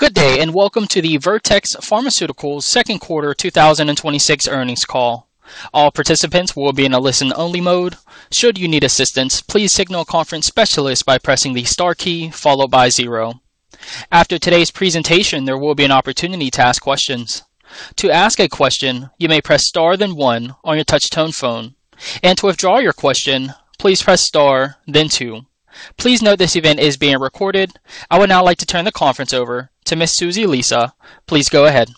Good day, and welcome to the Vertex Pharmaceuticals second quarter 2026 earnings call. All participants will be in a listen-only mode. Should you need assistance, please signal a conference specialist by pressing the star key followed by zero. After today's presentation, there will be an opportunity to ask questions. To ask a question, you may press star then one on your touch tone phone. To withdraw your question, please press star then two. Please note this event is being recorded. I would now like to turn the conference over to Ms. Susie Lisa. Please go ahead.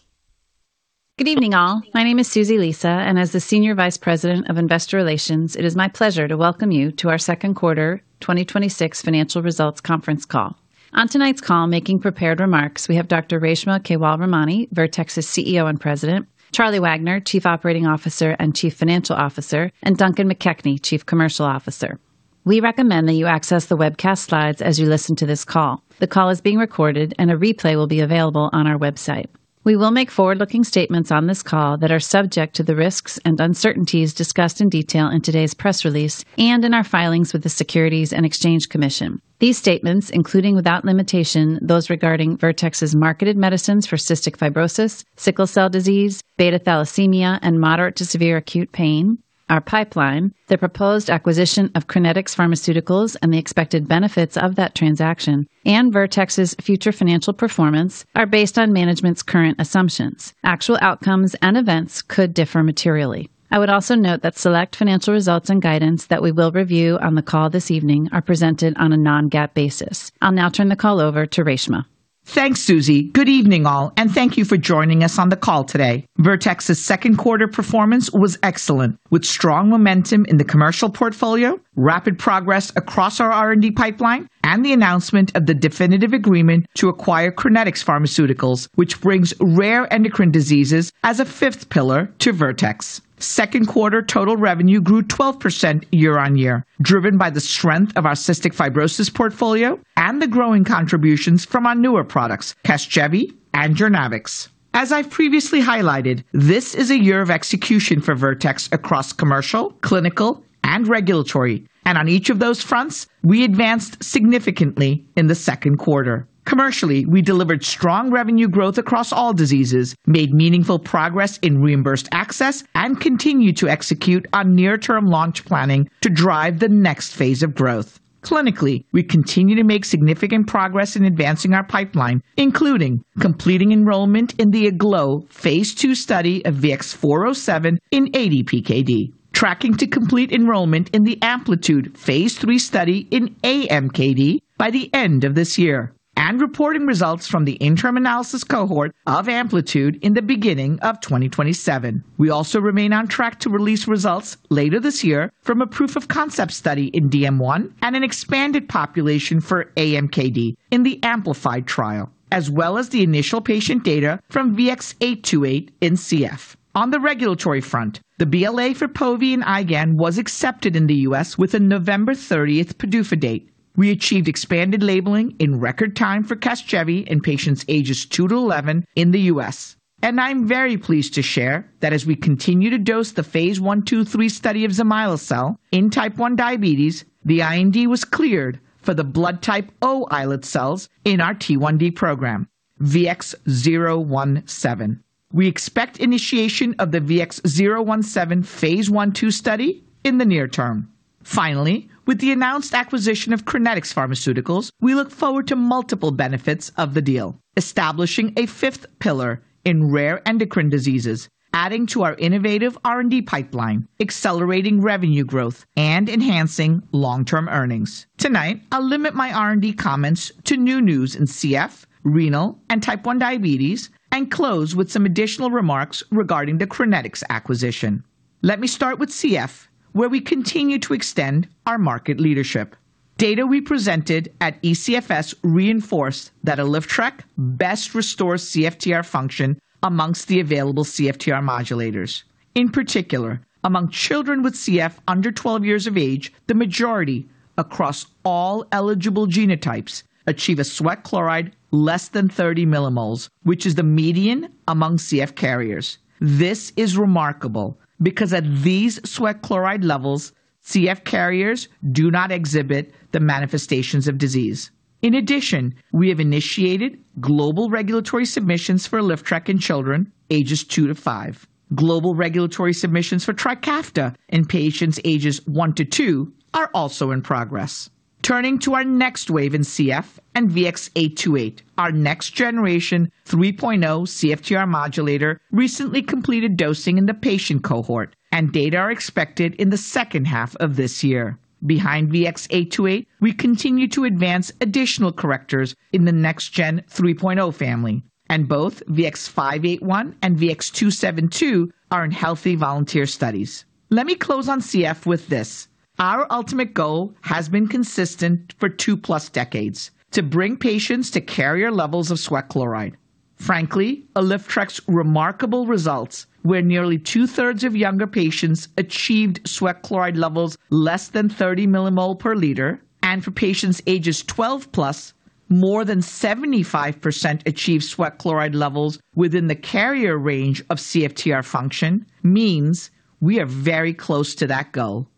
Good evening all. My name is Susie Lisa, and as the Senior Vice President of Investor Relations, it is my pleasure to welcome you to our second quarter 2026 financial results conference call. On tonight's call making prepared remarks, we have Dr. Reshma Kewalramani, Vertex's Chief Executive Officer and President, Charlie Wagner, Chief Operating Officer and Chief Financial Officer, and Duncan McKechnie, Chief Commercial Officer. We recommend that you access the webcast slides as you listen to this call. The call is being recorded, and a replay will be available on our website. We will make forward-looking statements on this call that are subject to the risks and uncertainties discussed in detail in today's press release and in our filings with the Securities and Exchange Commission. These statements, including without limitation, those regarding Vertex's marketed medicines for Cystic Fibrosis, sickle cell disease, beta thalassemia, and moderate to severe acute pain, our pipeline, the proposed acquisition of Crinetics Pharmaceuticals, and the expected benefits of that transaction and Vertex's future financial performance are based on management's current assumptions. Actual outcomes and events could differ materially. I would also note that select financial results and guidance that we will review on the call this evening are presented on a non-GAAP basis. I'll now turn the call over to Reshma. Thanks, Susie. Good evening all, and thank you for joining us on the call today. Vertex's second quarter performance was excellent with strong momentum in the commercial portfolio, rapid progress across our R&D pipeline, and the announcement of the definitive agreement to acquire Crinetics Pharmaceuticals, which brings rare endocrine diseases as a fifth pillar to Vertex. Second quarter total revenue grew 12% year-over-year, driven by the strength of our Cystic Fibrosis portfolio and the growing contributions from our newer products, CASGEVY and JOURNAVX. As I've previously highlighted, this is a year of execution for Vertex across commercial, clinical, and regulatory, and on each of those fronts, we advanced significantly in the second quarter. Commercially, we delivered strong revenue growth across all diseases, made meaningful progress in reimbursed access, and continued to execute on near-term launch planning to drive the next phase of growth. Clinically, we continue to make significant progress in advancing our pipeline, including completing enrollment in the AGLOW phase II study of VX-407 in ADPKD, tracking to complete enrollment in the AMPLITUDE phase III study in AMKD by the end of this year, and reporting results from the interim analysis cohort of AMPLITUDE in the beginning of 2027. We also remain on track to release results later this year from a proof of concept study in DM1 and an expanded population for AMKD in the AMPLIFY trial, as well as the initial patient data from VX-828 in CF. On the regulatory front, the BLA for POVI and IgAN was accepted in the U.S. with a November 30th PDUFA date. We achieved expanded labeling in record time for CASGEVY in patients ages two to 11 in the U.S. I'm very pleased to share that as we continue to dose the phase I/II/III study of exemlcel in Type 1 Diabetes, the IND was cleared for the blood type O islet cells in our T1D program, VX-017. We expect initiation of the VX-017 phase I/II study in the near term. Finally, with the announced acquisition of Crinetics Pharmaceuticals, we look forward to multiple benefits of the deal. Establishing a fifth pillar in rare endocrine diseases, adding to our innovative R&D pipeline, accelerating revenue growth, and enhancing long-term earnings. Tonight, I'll limit my R&D comments to new news in CF, renal, and Type 1 Diabetes, and close with some additional remarks regarding the Crinetics acquisition. Let me start with CF, where we continue to extend our market leadership. Data we presented at ECFS reinforced that ALYFTREK best restores CFTR function amongst the available CFTR modulators. In particular, among children with CF under 12 years of age, the majority across all eligible genotypes achieve a sweat chloride less than 30 millimoles, which is the median among CF carriers. This is remarkable because at these sweat chloride levels, CF carriers do not exhibit the manifestations of disease. In addition, we have initiated global regulatory submissions for ALYFTREK in children ages two to five. Global regulatory submissions for TRIKAFTA in patients ages one to two are also in progress. Turning to our next wave in CF and VX-828, our next generation 3.0 CFTR modulator recently completed dosing in the patient cohort and data are expected in the second half of this year. Behind VX-828, we continue to advance additional correctors in the next gen 3.0 family, and both VX-581 and VX-272 are in healthy volunteer studies. Let me close on CF with this. Our ultimate goal has been consistent for two plus decades: to bring patients to carrier levels of sweat chloride. Frankly, ALYFTREK's remarkable results, where nearly 2/3 of younger patients achieved sweat chloride levels less than 30 millimole per liter, and for patients ages 12+, more than 75% achieved sweat chloride levels within the carrier range of CFTR function means we are very close to that goal.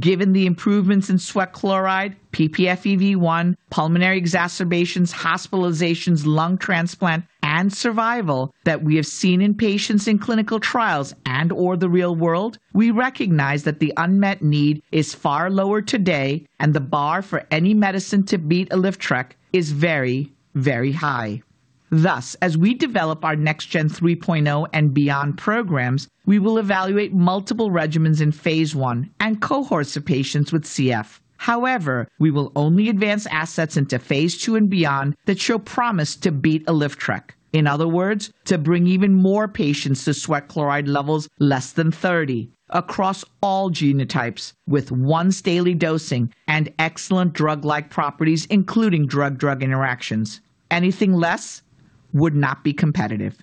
Given the improvements in sweat chloride, ppFEV1, pulmonary exacerbations, hospitalizations, lung transplant, and survival that we have seen in patients in clinical trials and/or the real world, we recognize that the unmet need is far lower today, and the bar for any medicine to beat ALYFTREK is very, very high. Thus, as we develop our next gen 3.0 and beyond programs, we will evaluate multiple regimens in phase I and cohorts of patients with CF. We will only advance assets into phase II and beyond that show promise to beat ALYFTREK. In other words, to bring even more patients to sweat chloride levels less than 30 across all genotypes with once daily dosing and excellent drug-like properties, including drug-drug interactions. Anything less would not be competitive.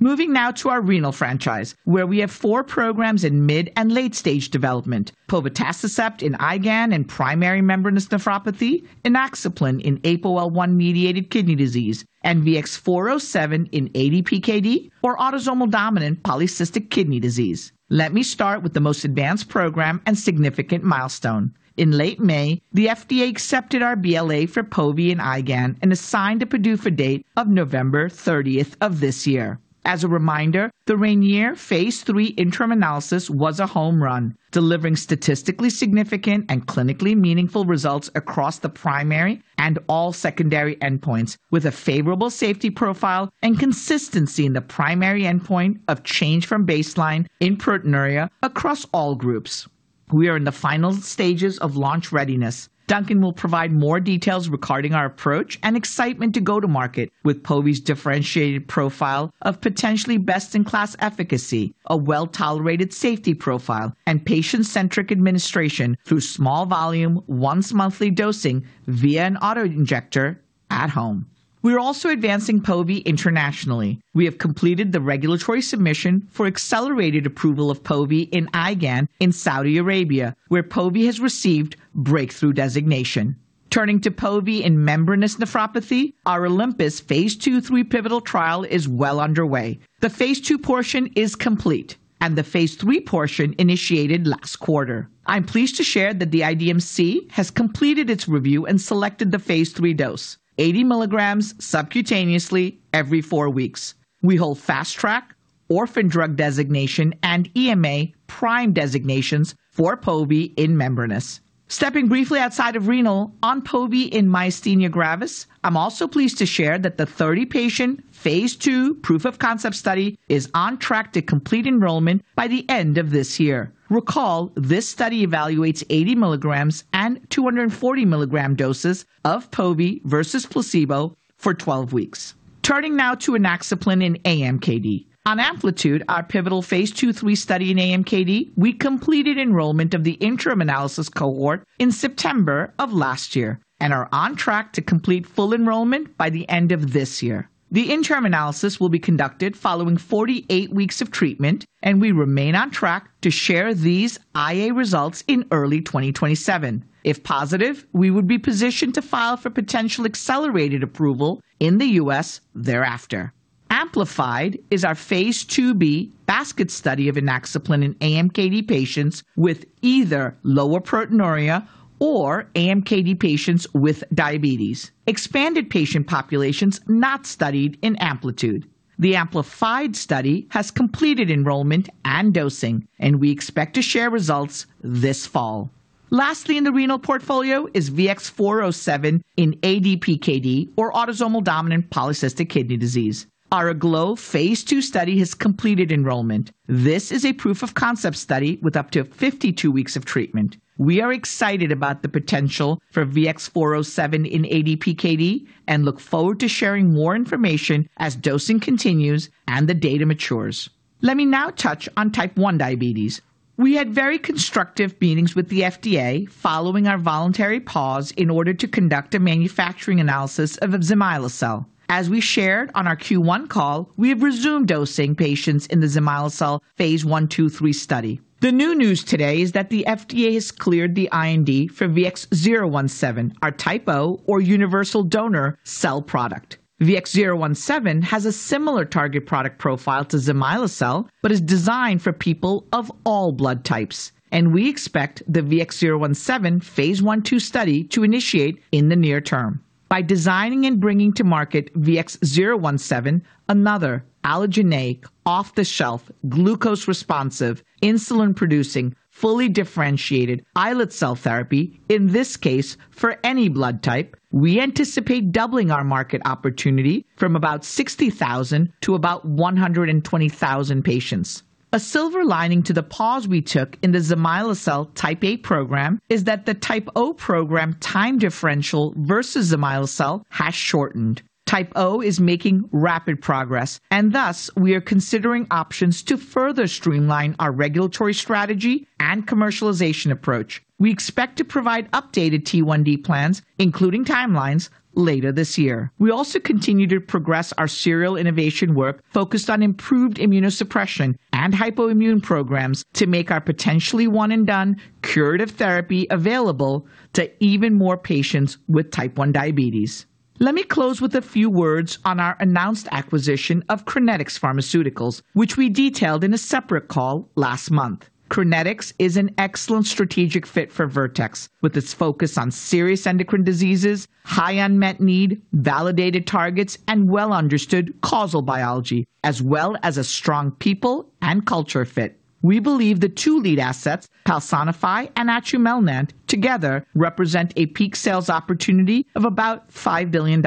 Moving now to our renal franchise, where we have four programs in mid- and late-stage development. Povetacicept in IgAN and primary membranous nephropathy, inaxaplin in APOL1-mediated kidney disease, and VX-407 in ADPKD or Autosomal Dominant Polycystic Kidney Disease. Let me start with the most advanced program and significant milestone. In late May, the FDA accepted our BLA for POVI and IgAN and assigned a PDUFA date of November 30th of this year. As a reminder, the RAINIER phase III interim analysis was a home run, delivering statistically significant and clinically meaningful results across the primary and all secondary endpoints with a favorable safety profile and consistency in the primary endpoint of change from baseline in proteinuria across all groups. We are in the final stages of launch readiness. Duncan will provide more details regarding our approach and excitement to go to market with POVI's differentiated profile of potentially best-in-class efficacy, a well-tolerated safety profile, and patient-centric administration through small volume, once monthly dosing via an auto-injector at home. We are also advancing POVI internationally. We have completed the regulatory submission for accelerated approval of POVI in IgAN in Saudi Arabia, where POVI has received breakthrough designation. Turning to POVI in membranous nephropathy, our OLYMPUS phase II/III pivotal trial is well underway. The phase II portion is complete, the phase III portion initiated last quarter. I'm pleased to share that the IDMC has completed its review and selected the phase III dose, 80 mg subcutaneously every four weeks. We hold fast track, orphan drug designation, and EMA Prime designations for POVI in membranous. Stepping briefly outside of renal, on POVI in myasthenia gravis, I'm also pleased to share that the 30-patient, phase II proof of concept study is on track to complete enrollment by the end of this year. Recall, this study evaluates 80 mg and 240 mg doses of POVI versus placebo for 12 weeks. Turning now to inaxaplin in AMKD. On AMPLITUDE, our pivotal phase II/III study in AMKD, we completed enrollment of the interim analysis cohort in September of last year and are on track to complete full enrollment by the end of this year. The interim analysis will be conducted following 48 weeks of treatment, we remain on track to share these IA results in early 2027. If positive, we would be positioned to file for potential accelerated approval in the U.S. thereafter. AMPLIFIED is our phase IIB basket study of inaxaplin in AMKD patients with either lower proteinuria or AMKD patients with diabetes. Expanded patient populations not studied in AMPLITUDE. The AMPLIFIED study has completed enrollment and dosing, and we expect to share results this fall. Lastly in the renal portfolio is VX-407 in ADPKD or Autosomal Dominant Polycystic Kidney Disease. Our AGLOW phase II study has completed enrollment. This is a proof of concept study with up to 52 weeks of treatment. We are excited about the potential for VX-407 in ADPKD and look forward to sharing more information as dosing continues and the data matures. Let me now touch on Type 1 Diabetes. We had very constructive meetings with the FDA following our voluntary pause in order to conduct a manufacturing analysis of exemlcel. As we shared on our Q1 call, we have resumed dosing patients in the exemlcel phase I, II, III study. The new news today is that the FDA has cleared the IND for VX-017, our type O or universal donor cell product. VX-017 has a similar target product profile to exemlcel, but is designed for people of all blood types, and we expect the VX-017 phase I, II study to initiate in the near term. By designing and bringing to market VX-017, another allogeneic, off-the-shelf, glucose-responsive, insulin-producing, fully differentiated islet cell therapy, in this case, for any blood type, we anticipate doubling our market opportunity from about 60,000 to about 120,000 patients. A silver lining to the pause we took in the exemlcel type A program is that the type O program time differential versus exemlcel has shortened. Type O is making rapid progress, and thus we are considering options to further streamline our regulatory strategy and commercialization approach. We expect to provide updated T1D plans, including timelines, later this year. We also continue to progress our serial innovation work focused on improved immunosuppression and hypoimmune programs to make our potentially one and done curative therapy available to even more patients with Type 1 Diabetes. Let me close with a few words on our announced acquisition of Crinetics Pharmaceuticals, which we detailed in a separate call last month. Crinetics is an excellent strategic fit for Vertex, with its focus on serious endocrine diseases, high unmet need, validated targets, and well-understood causal biology, as well as a strong people and culture fit. We believe the two lead assets, paltusotine and atumelnant, together represent a peak sales opportunity of about $5 billion.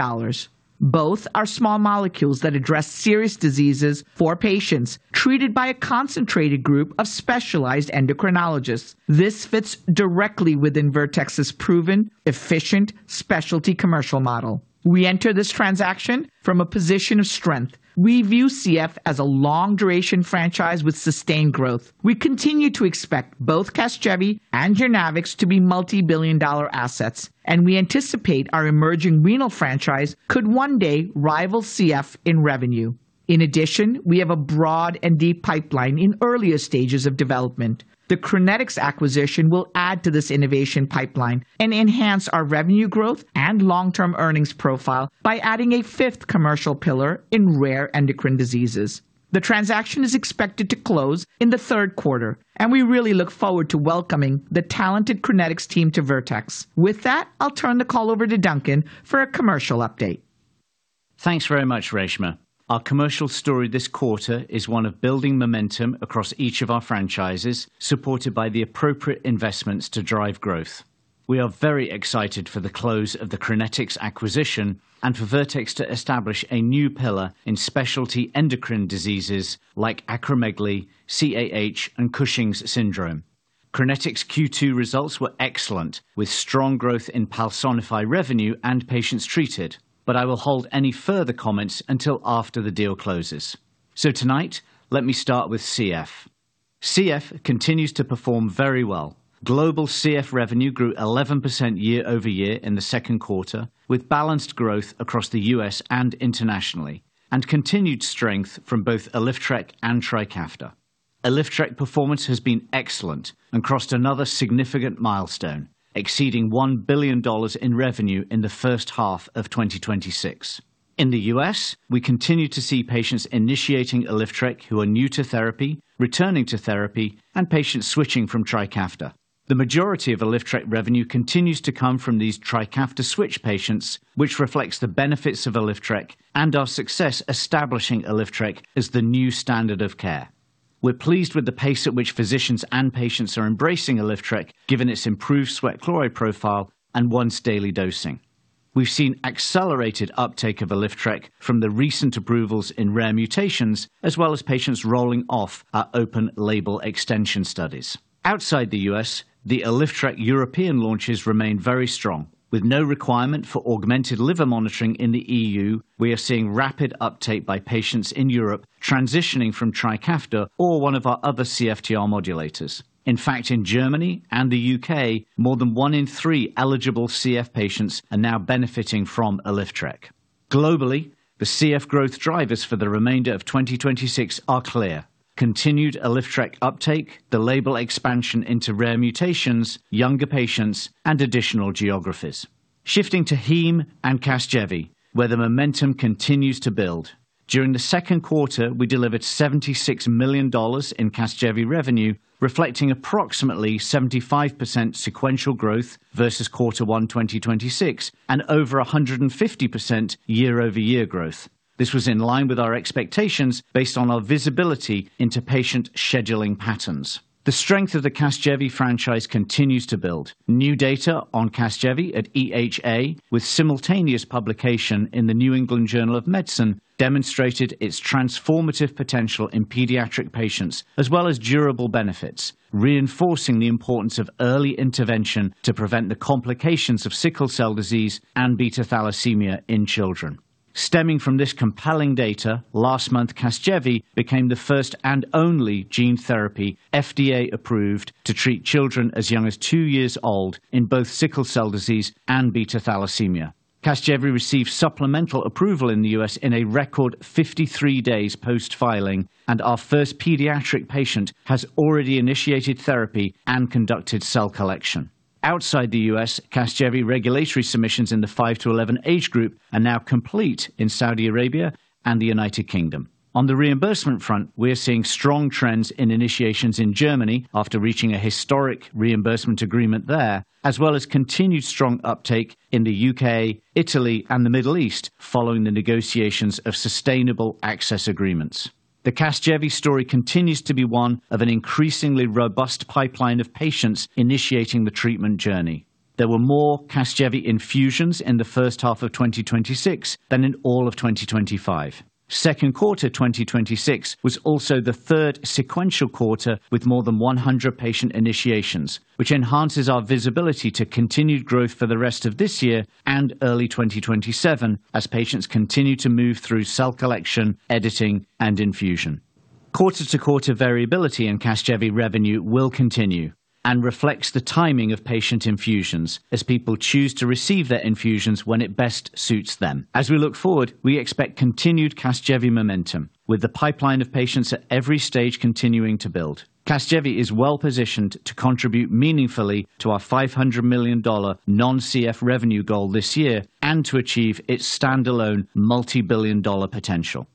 Both are small molecules that address serious diseases for patients treated by a concentrated group of specialized endocrinologists. This fits directly within Vertex's proven efficient specialty commercial model. We enter this transaction from a position of strength. We view CF as a long duration franchise with sustained growth. We continue to expect both CASGEVY and JOURNAVX to be multi-billion dollar assets, and we anticipate our emerging renal franchise could one day rival CF in revenue. In addition, we have a broad and deep pipeline in earlier stages of development. The Crinetics acquisition will add to this innovation pipeline and enhance our revenue growth and long-term earnings profile by adding a fifth commercial pillar in rare endocrine diseases. The transaction is expected to close in the third quarter. We really look forward to welcoming the talented Crinetics team to Vertex. With that, I'll turn the call over to Duncan for a commercial update. Thanks very much, Reshma. Our commercial story this quarter is one of building momentum across each of our franchises, supported by the appropriate investments to drive growth. We are very excited for the close of the Crinetics acquisition and for Vertex to establish a new pillar in specialty endocrine diseases like acromegaly, CAH, and Cushing's syndrome. Crinetics Q2 results were excellent, with strong growth in paltusotine revenue and patients treated, but I will hold any further comments until after the deal closes. Tonight, let me start with CF. CF continues to perform very well. Global CF revenue grew 11% year-over-year in the second quarter, with balanced growth across the U.S. and internationally, and continued strength from both ALYFTREK and TRIKAFTA. ALYFTREK performance has been excellent and crossed another significant milestone, exceeding $1 billion in revenue in the first half of 2026. In the U.S., we continue to see patients initiating ALYFTREK who are new to therapy, returning to therapy, and patients switching from TRIKAFTA. The majority of ALYFTREK revenue continues to come from these TRIKAFTA switch patients, which reflects the benefits of ALYFTREK and our success establishing ALYFTREK as the new standard of care. We are pleased with the pace at which physicians and patients are embracing ALYFTREK, given its improved sweat chloride profile and once daily dosing. We have seen accelerated uptake of ALYFTREK from the recent approvals in rare mutations, as well as patients rolling off our open label extension studies. Outside the U.S., the ALYFTREK European launches remain very strong. With no requirement for augmented liver monitoring in the E.U., we are seeing rapid uptake by patients in Europe transitioning from TRIKAFTA or one of our other CFTR modulators. In fact, in Germany and the U.K., more than one in three eligible CF patients are now benefiting from ALYFTREK. Globally, the CF growth drivers for the remainder of 2026 are clear. Continued ALYFTREK uptake, the label expansion into rare mutations, younger patients, and additional geographies. Shifting to heme and CASGEVY, where the momentum continues to build. During the second quarter, we delivered $76 million in CASGEVY revenue, reflecting approximately 75% sequential growth versus quarter one 2026 and over 150% year-over-year growth. This was in line with our expectations based on our visibility into patient scheduling patterns. The strength of the CASGEVY franchise continues to build. New data on CASGEVY at EHA with simultaneous publication in "The New England Journal of Medicine" demonstrated its transformative potential in pediatric patients as well as durable benefits, reinforcing the importance of early intervention to prevent the complications of sickle cell disease and beta thalassemia in children. Stemming from this compelling data, last month, CASGEVY became the first and only gene therapy FDA approved to treat children as young as two years old in both sickle cell disease and beta thalassemia. CASGEVY received supplemental approval in the U.S. in a record 53 days post-filing, and our first pediatric patient has already initiated therapy and conducted cell collection. Outside the U.S., CASGEVY regulatory submissions in the five to 11 age group are now complete in Saudi Arabia and the United Kingdom. On the reimbursement front, we're seeing strong trends in initiations in Germany after reaching a historic reimbursement agreement there, as well as continued strong uptake in the U.K., Italy, and the Middle East following the negotiations of sustainable access agreements. The CASGEVY story continues to be one of an increasingly robust pipeline of patients initiating the treatment journey. There were more CASGEVY infusions in the first half of 2026 than in all of 2025. Second quarter 2026 was also the third sequential quarter with more than 100 patient initiations, which enhances our visibility to continued growth for the rest of this year and early 2027 as patients continue to move through cell collection, editing, and infusion. Quarter-to-quarter variability in CASGEVY revenue will continue and reflects the timing of patient infusions as people choose to receive their infusions when it best suits them. As we look forward, we expect continued CASGEVY momentum with the pipeline of patients at every stage continuing to build. CASGEVY is well-positioned to contribute meaningfully to our $500 million non-CF revenue goal this year and to achieve its standalone multibillion-dollar potential.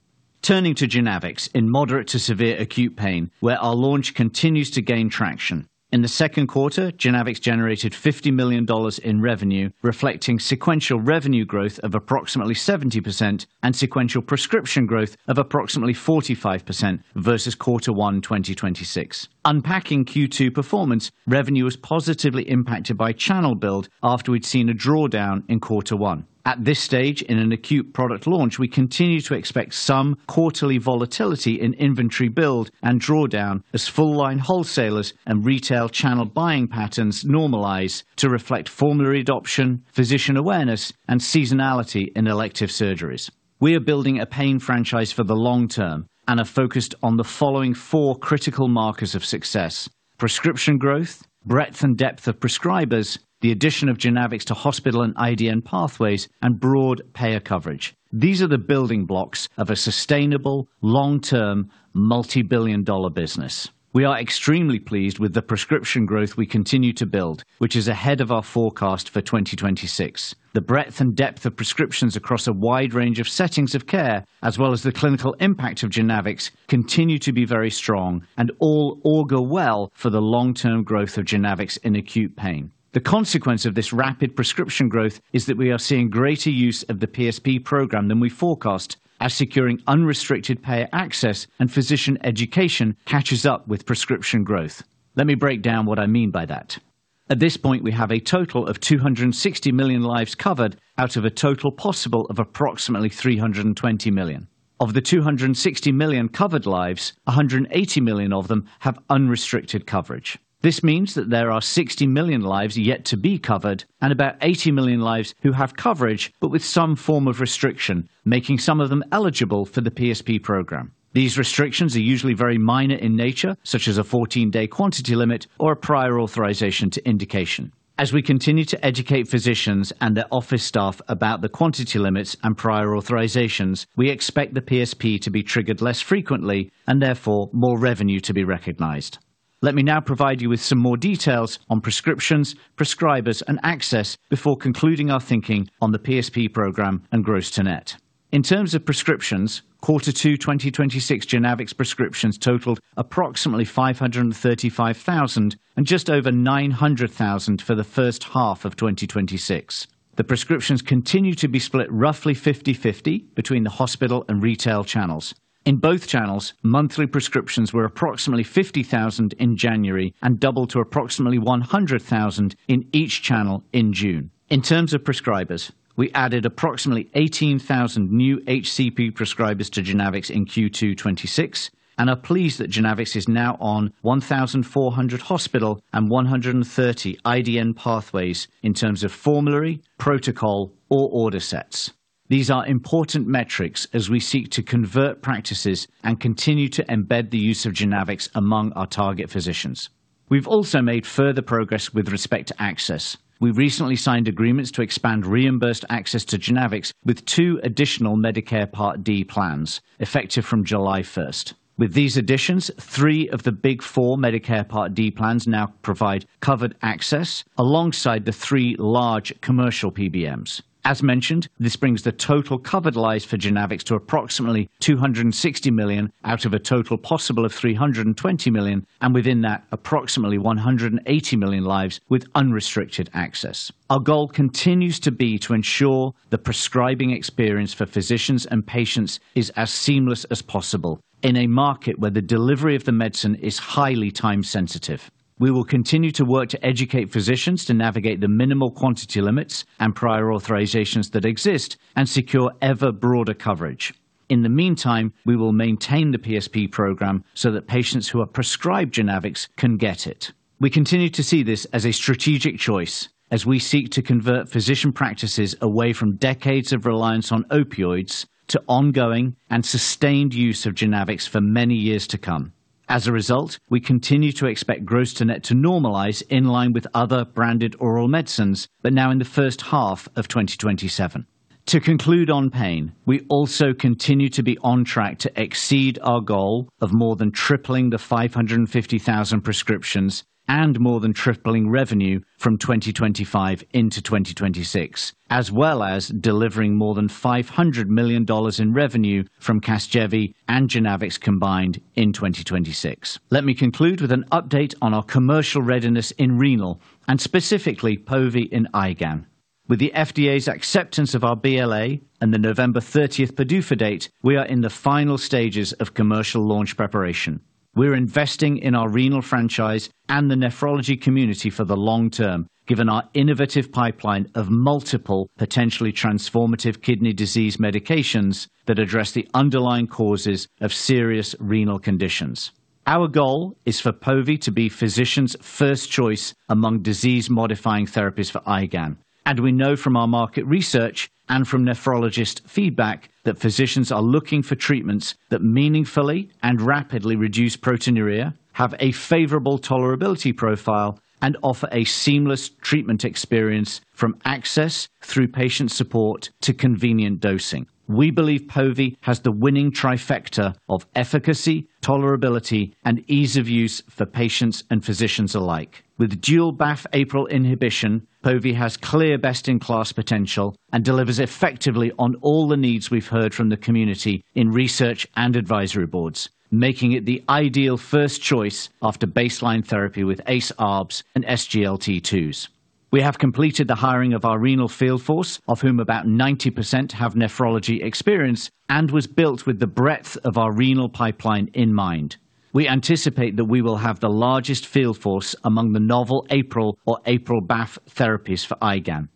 Turning to JOURNAVX in moderate to severe acute pain, where our launch continues to gain traction. In the second quarter, JOURNAVX generated $50 million in revenue, reflecting sequential revenue growth of approximately 70% and sequential prescription growth of approximately 45% versus quarter one 2026. Unpacking Q2 performance, revenue was positively impacted by channel build after we'd seen a drawdown in quarter one. At this stage in an acute product launch, we continue to expect some quarterly volatility in inventory build and drawdown as full line wholesalers and retail channel buying patterns normalize to reflect formulary adoption, physician awareness, and seasonality in elective surgeries. We are building a pain franchise for the long term and are focused on the following four critical markers of success: prescription growth, breadth and depth of prescribers, the addition of JOURNAVX to hospital and IDN pathways, and broad payer coverage. These are the building blocks of a sustainable, long-term, multi-billion-dollar business. We are extremely pleased with the prescription growth we continue to build, which is ahead of our forecast for 2026. The breadth and depth of prescriptions across a wide range of settings of care, as well as the clinical impact of JOURNAVX, continue to be very strong and all augur well for the long-term growth of JOURNAVX in acute pain. The consequence of this rapid prescription growth is that we are seeing greater use of the PSP program than we forecast as securing unrestricted payer access and physician education catches up with prescription growth. Let me break down what I mean by that. At this point, we have a total of 260 million lives covered out of a total possible of approximately 320 million. Of the 260 million covered lives, 180 million of them have unrestricted coverage. This means that there are 60 million lives yet to be covered and about 80 million lives who have coverage, but with some form of restriction, making some of them eligible for the PSP program. These restrictions are usually very minor in nature, such as a 14-day quantity limit or a prior authorization to indication. As we continue to educate physicians and their office staff about the quantity limits and prior authorizations, we expect the PSP to be triggered less frequently and therefore more revenue to be recognized. Let me now provide you with some more details on prescriptions, prescribers, and access before concluding our thinking on the PSP program and gross to net. In terms of prescriptions, quarter two 2026 JOURNAVX prescriptions totaled approximately 535,000 and just over 900,000 for the first half of 2026. The prescriptions continue to be split roughly 50/50 between the hospital and retail channels. In both channels, monthly prescriptions were approximately 50,000 in January and doubled to approximately 100,000 in each channel in June. In terms of prescribers, we added approximately 18,000 new HCP prescribers to JOURNAVX in Q2 2026 and are pleased that JOURNAVX is now on 1,400 hospital and 130 IDN pathways in terms of formulary, protocol, or order sets. These are important metrics as we seek to convert practices and continue to embed the use of JOURNAVX among our target physicians. We've also made further progress with respect to access. We recently signed agreements to expand reimbursed access to JOURNAVX with two additional Medicare Part D plans effective from July 1st. With these additions, three of the big four Medicare Part D plans now provide covered access alongside the three large commercial PBMs. As mentioned, this brings the total covered lives for JOURNAVX to approximately 260 million out of a total possible of 320 million, and within that, approximately 180 million lives with unrestricted access. Our goal continues to be to ensure the prescribing experience for physicians and patients is as seamless as possible in a market where the delivery of the medicine is highly time sensitive. We will continue to work to educate physicians to navigate the minimal quantity limits and prior authorizations that exist and secure ever broader coverage. In the meantime, we will maintain the PSP program so that patients who are prescribed JOURNAVX can get it. We continue to see this as a strategic choice as we seek to convert physician practices away from decades of reliance on opioids to ongoing and sustained use of JOURNAVX for many years to come. As a result, we continue to expect gross to net to normalize in line with other branded oral medicines, but now in the first half of 2027. To conclude on pain, we also continue to be on track to exceed our goal of more than tripling the 550,000 prescriptions and more than tripling revenue from 2025 into 2026, as well as delivering more than $500 million in revenue from CASGEVY and JOURNAVX combined in 2026. Let me conclude with an update on our commercial readiness in renal and specifically POVI in IgAN. With the FDA's acceptance of our BLA and the November 30th PDUFA date, we are in the final stages of commercial launch preparation. We're investing in our renal franchise and the nephrology community for the long term, given our innovative pipeline of multiple potentially transformative kidney disease medications that address the underlying causes of serious renal conditions. Our goal is for POVI to be physicians' first choice among disease-modifying therapies for IgAN. And we know from our market research and from nephrologist feedback that physicians are looking for treatments that meaningfully and rapidly reduce proteinuria, have a favorable tolerability profile, and offer a seamless treatment experience from access through patient support to convenient dosing. We believe POVI has the winning trifecta of efficacy, tolerability, and ease of use for patients and physicians alike. With dual BAFF/APRIL inhibition, POVI has clear best-in-class potential and delivers effectively on all the needs we've heard from the community in research and advisory boards, making it the ideal first choice after baseline therapy with ACE/ARBs and SGLT2s. We have completed the hiring of our renal field force, of whom about 90% have nephrology experience and was built with the breadth of our renal pipeline in mind. We anticipate that we will have the largest field force among the novel APRIL or APRIL-BAFF therapies for IgAN.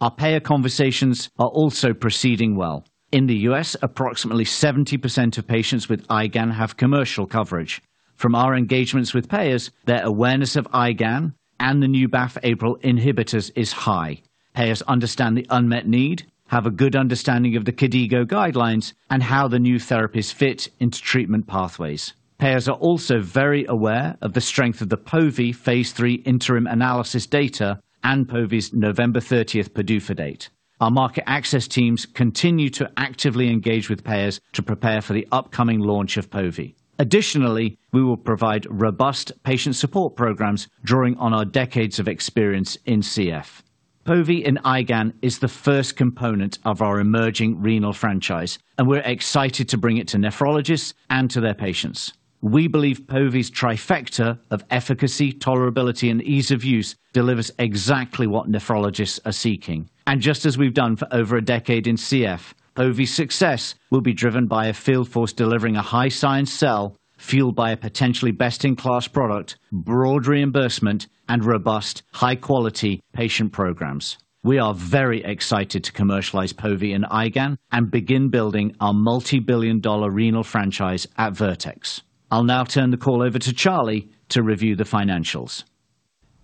Our payer conversations are also proceeding well. In the U.S., approximately 70% of patients with IgAN have commercial coverage. From our engagements with payers, their awareness of IgAN and the new BAFF/APRIL inhibitors is high. Payers understand the unmet need, have a good understanding of the KDIGO guidelines, and how the new therapies fit into treatment pathways. Payers are also very aware of the strength of the POVI phase III interim analysis data and POVI's November 30th PDUFA date. Our market access teams continue to actively engage with payers to prepare for the upcoming launch of POVI. Additionally, we will provide robust patient support programs drawing on our decades of experience in CF. POVI in IgAN is the first component of our emerging renal franchise, and we're excited to bring it to nephrologists and to their patients. We believe POVI's trifecta of efficacy, tolerability, and ease of use delivers exactly what nephrologists are seeking. Just as we've done for over a decade in CF, POVI's success will be driven by a field force delivering a high science cell fueled by a potentially best-in-class product, broad reimbursement, and robust high-quality patient programs. We are very excited to commercialize POVI and IgAN and begin building our multibillion-dollar renal franchise at Vertex. I'll now turn the call over to Charlie to review the financials.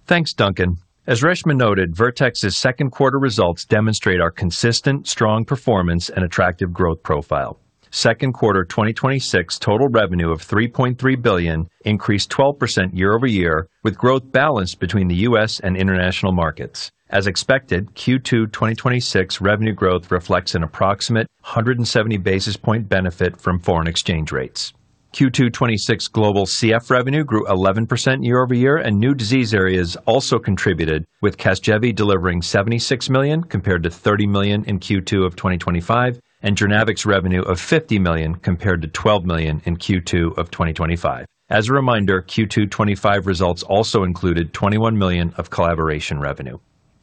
Thanks, Duncan. As Reshma noted, Vertex's second quarter results demonstrate our consistent strong performance and attractive growth profile. Second quarter 2026 total revenue of $3.3 billion increased 12% year-over-year, with growth balanced between the U.S. and international markets. As expected, Q2 2026 revenue growth reflects an approximate 170 basis point benefit from foreign exchange rates. Q2 2026 global CF revenue grew 11% year-over-year, and new disease areas also contributed, with CASGEVY delivering $76 million compared to $30 million in Q2 of 2025, and JOURNAVX's revenue of $50 million compared to $12 million in Q2 of 2025. As a reminder, Q2 2025 results also included $21 million of collaboration revenue.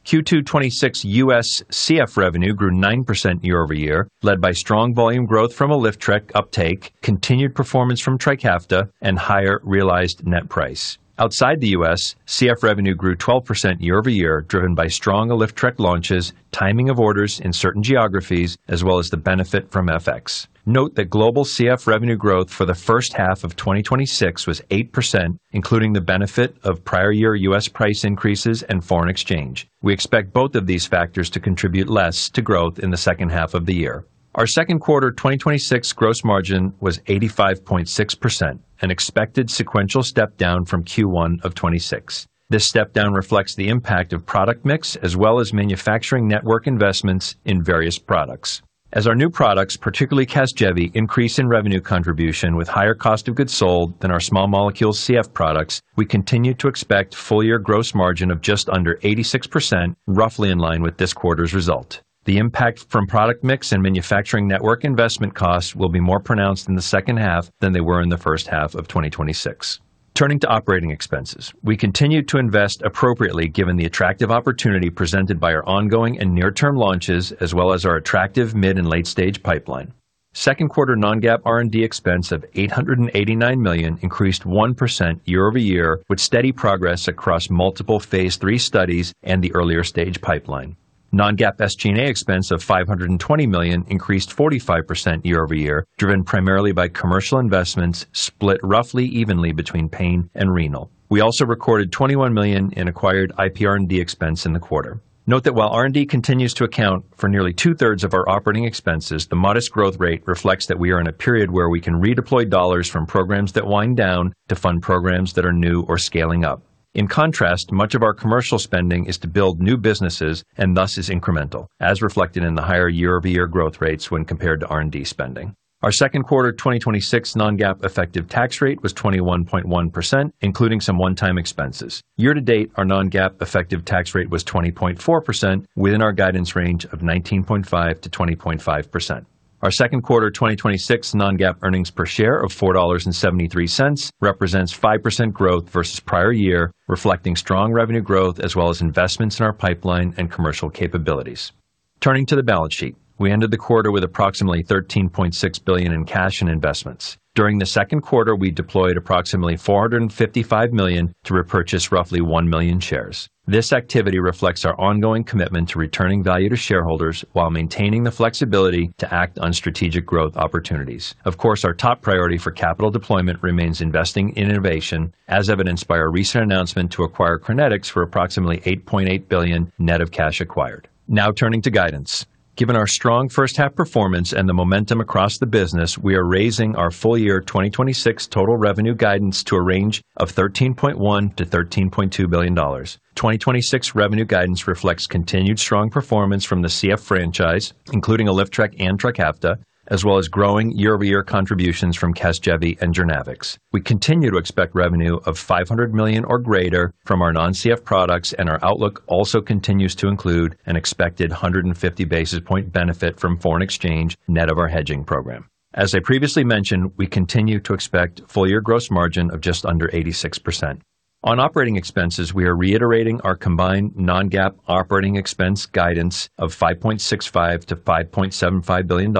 Q2 2026 U.S. CF revenue grew 9% year-over-year, led by strong volume growth from ALYFTREK uptake, continued performance from TRIKAFTA, and higher realized net price. Outside the U.S., CF revenue grew 12% year-over-year, driven by strong ALYFTREK launches, timing of orders in certain geographies, as well as the benefit from FX. Note that global CF revenue growth for the first half of 2026 was 8%, including the benefit of prior year U.S. price increases and foreign exchange. We expect both of these factors to contribute less to growth in the second half of the year. Our second quarter 2026 gross margin was 85.6%, an expected sequential step down from Q1 of 2026. This step down reflects the impact of product mix as well as manufacturing network investments in various products. As our new products, particularly CASGEVY, increase in revenue contribution with higher cost of goods sold than our small molecule CF products, we continue to expect full year gross margin of just under 86%, roughly in line with this quarter's result. The impact from product mix and manufacturing network investment costs will be more pronounced in the second half than they were in the first half of 2026. Turning to operating expenses. We continue to invest appropriately given the attractive opportunity presented by our ongoing and near-term launches, as well as our attractive mid and late-stage pipeline. Second quarter non-GAAP R&D expense of $889 million increased 1% year-over-year, with steady progress across multiple phase III studies and the earlier stage pipeline. Non-GAAP SG&A expense of $520 million increased 45% year-over-year, driven primarily by commercial investments split roughly evenly between pain and renal. We also recorded $21 million in acquired IPR&D expense in the quarter. Note that while R&D continues to account for nearly 2/3 of our operating expenses, the modest growth rate reflects that we are in a period where we can redeploy dollars from programs that wind down to fund programs that are new or scaling up. In contrast, much of our commercial spending is to build new businesses and thus is incremental, as reflected in the higher year-over-year growth rates when compared to R&D spending. Our second quarter 2026 non-GAAP effective tax rate was 21.1%, including some one-time expenses. Year-to-date, our non-GAAP effective tax rate was 20.4% within our guidance range of 19.5%-20.5%. Our second quarter 2026 non-GAAP earnings per share of $4.73 represents 5% growth versus prior year, reflecting strong revenue growth as well as investments in our pipeline and commercial capabilities. Turning to the balance sheet. We ended the quarter with approximately $13.6 billion in cash and investments. During the second quarter, we deployed approximately $455 million to repurchase roughly 1 million shares. This activity reflects our ongoing commitment to returning value to shareholders while maintaining the flexibility to act on strategic growth opportunities. Of course, our top priority for capital deployment remains investing in innovation, as evidenced by our recent announcement to acquire Crinetics for approximately $8.8 billion net of cash acquired. Turning to guidance. Given our strong first half performance and the momentum across the business, we are raising our full year 2026 total revenue guidance to a range of $13.1 billion-$13.2 billion. 2026 revenue guidance reflects continued strong performance from the CF franchise, including ALYFTREK and TRIKAFTA, as well as growing year-over-year contributions from CASGEVY and JOURNAVX. We continue to expect revenue of $500 million or greater from our non-CF products. Our outlook also continues to include an expected 150 basis point benefit from foreign exchange net of our hedging program. As I previously mentioned, we continue to expect full year gross margin of just under 86%. On operating expenses, we are reiterating our combined non-GAAP operating expense guidance of $5.65 billion-$5.75 billion,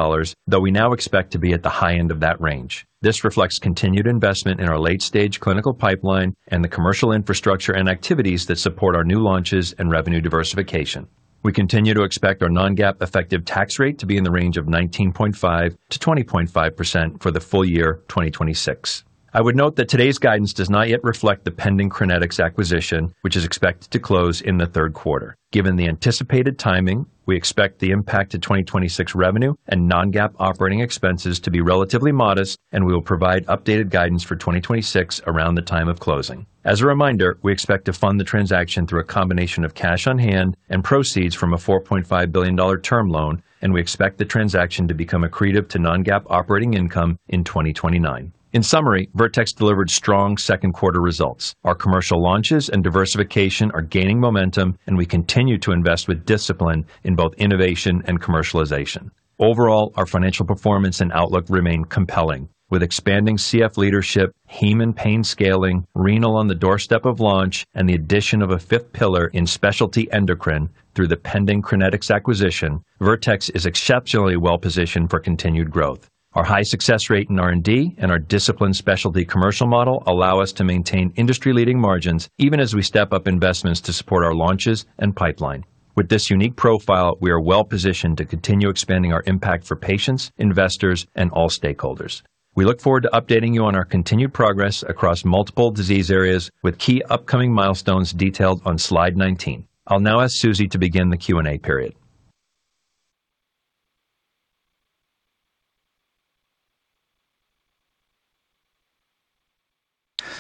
though we now expect to be at the high end of that range. This reflects continued investment in our late-stage clinical pipeline and the commercial infrastructure and activities that support our new launches and revenue diversification. We continue to expect our non-GAAP effective tax rate to be in the range of 19.5%-20.5% for the full year 2026. I would note that today's guidance does not yet reflect the pending Crinetics acquisition, which is expected to close in the third quarter. Given the anticipated timing, we expect the impact to 2026 revenue and non-GAAP operating expenses to be relatively modest. We will provide updated guidance for 2026 around the time of closing. As a reminder, we expect to fund the transaction through a combination of cash on hand and proceeds from a $4.5 billion term loan. We expect the transaction to become accretive to non-GAAP operating income in 2029. In summary, Vertex delivered strong second quarter results. Our commercial launches and diversification are gaining momentum. We continue to invest with discipline in both innovation and commercialization. Overall, our financial performance and outlook remain compelling. With expanding CF leadership, hemon pain scaling, renal on the doorstep of launch, and the addition of a fifth pillar in specialty endocrine through the pending Crinetics acquisition, Vertex is exceptionally well-positioned for continued growth. Our high success rate in R&D and our disciplined specialty commercial model allow us to maintain industry-leading margins even as we step up investments to support our launches and pipeline. With this unique profile, we are well-positioned to continue expanding our impact for patients, investors, and all stakeholders. We look forward to updating you on our continued progress across multiple disease areas with key upcoming milestones detailed on slide 19. I'll ask Susie to begin the Q&A period.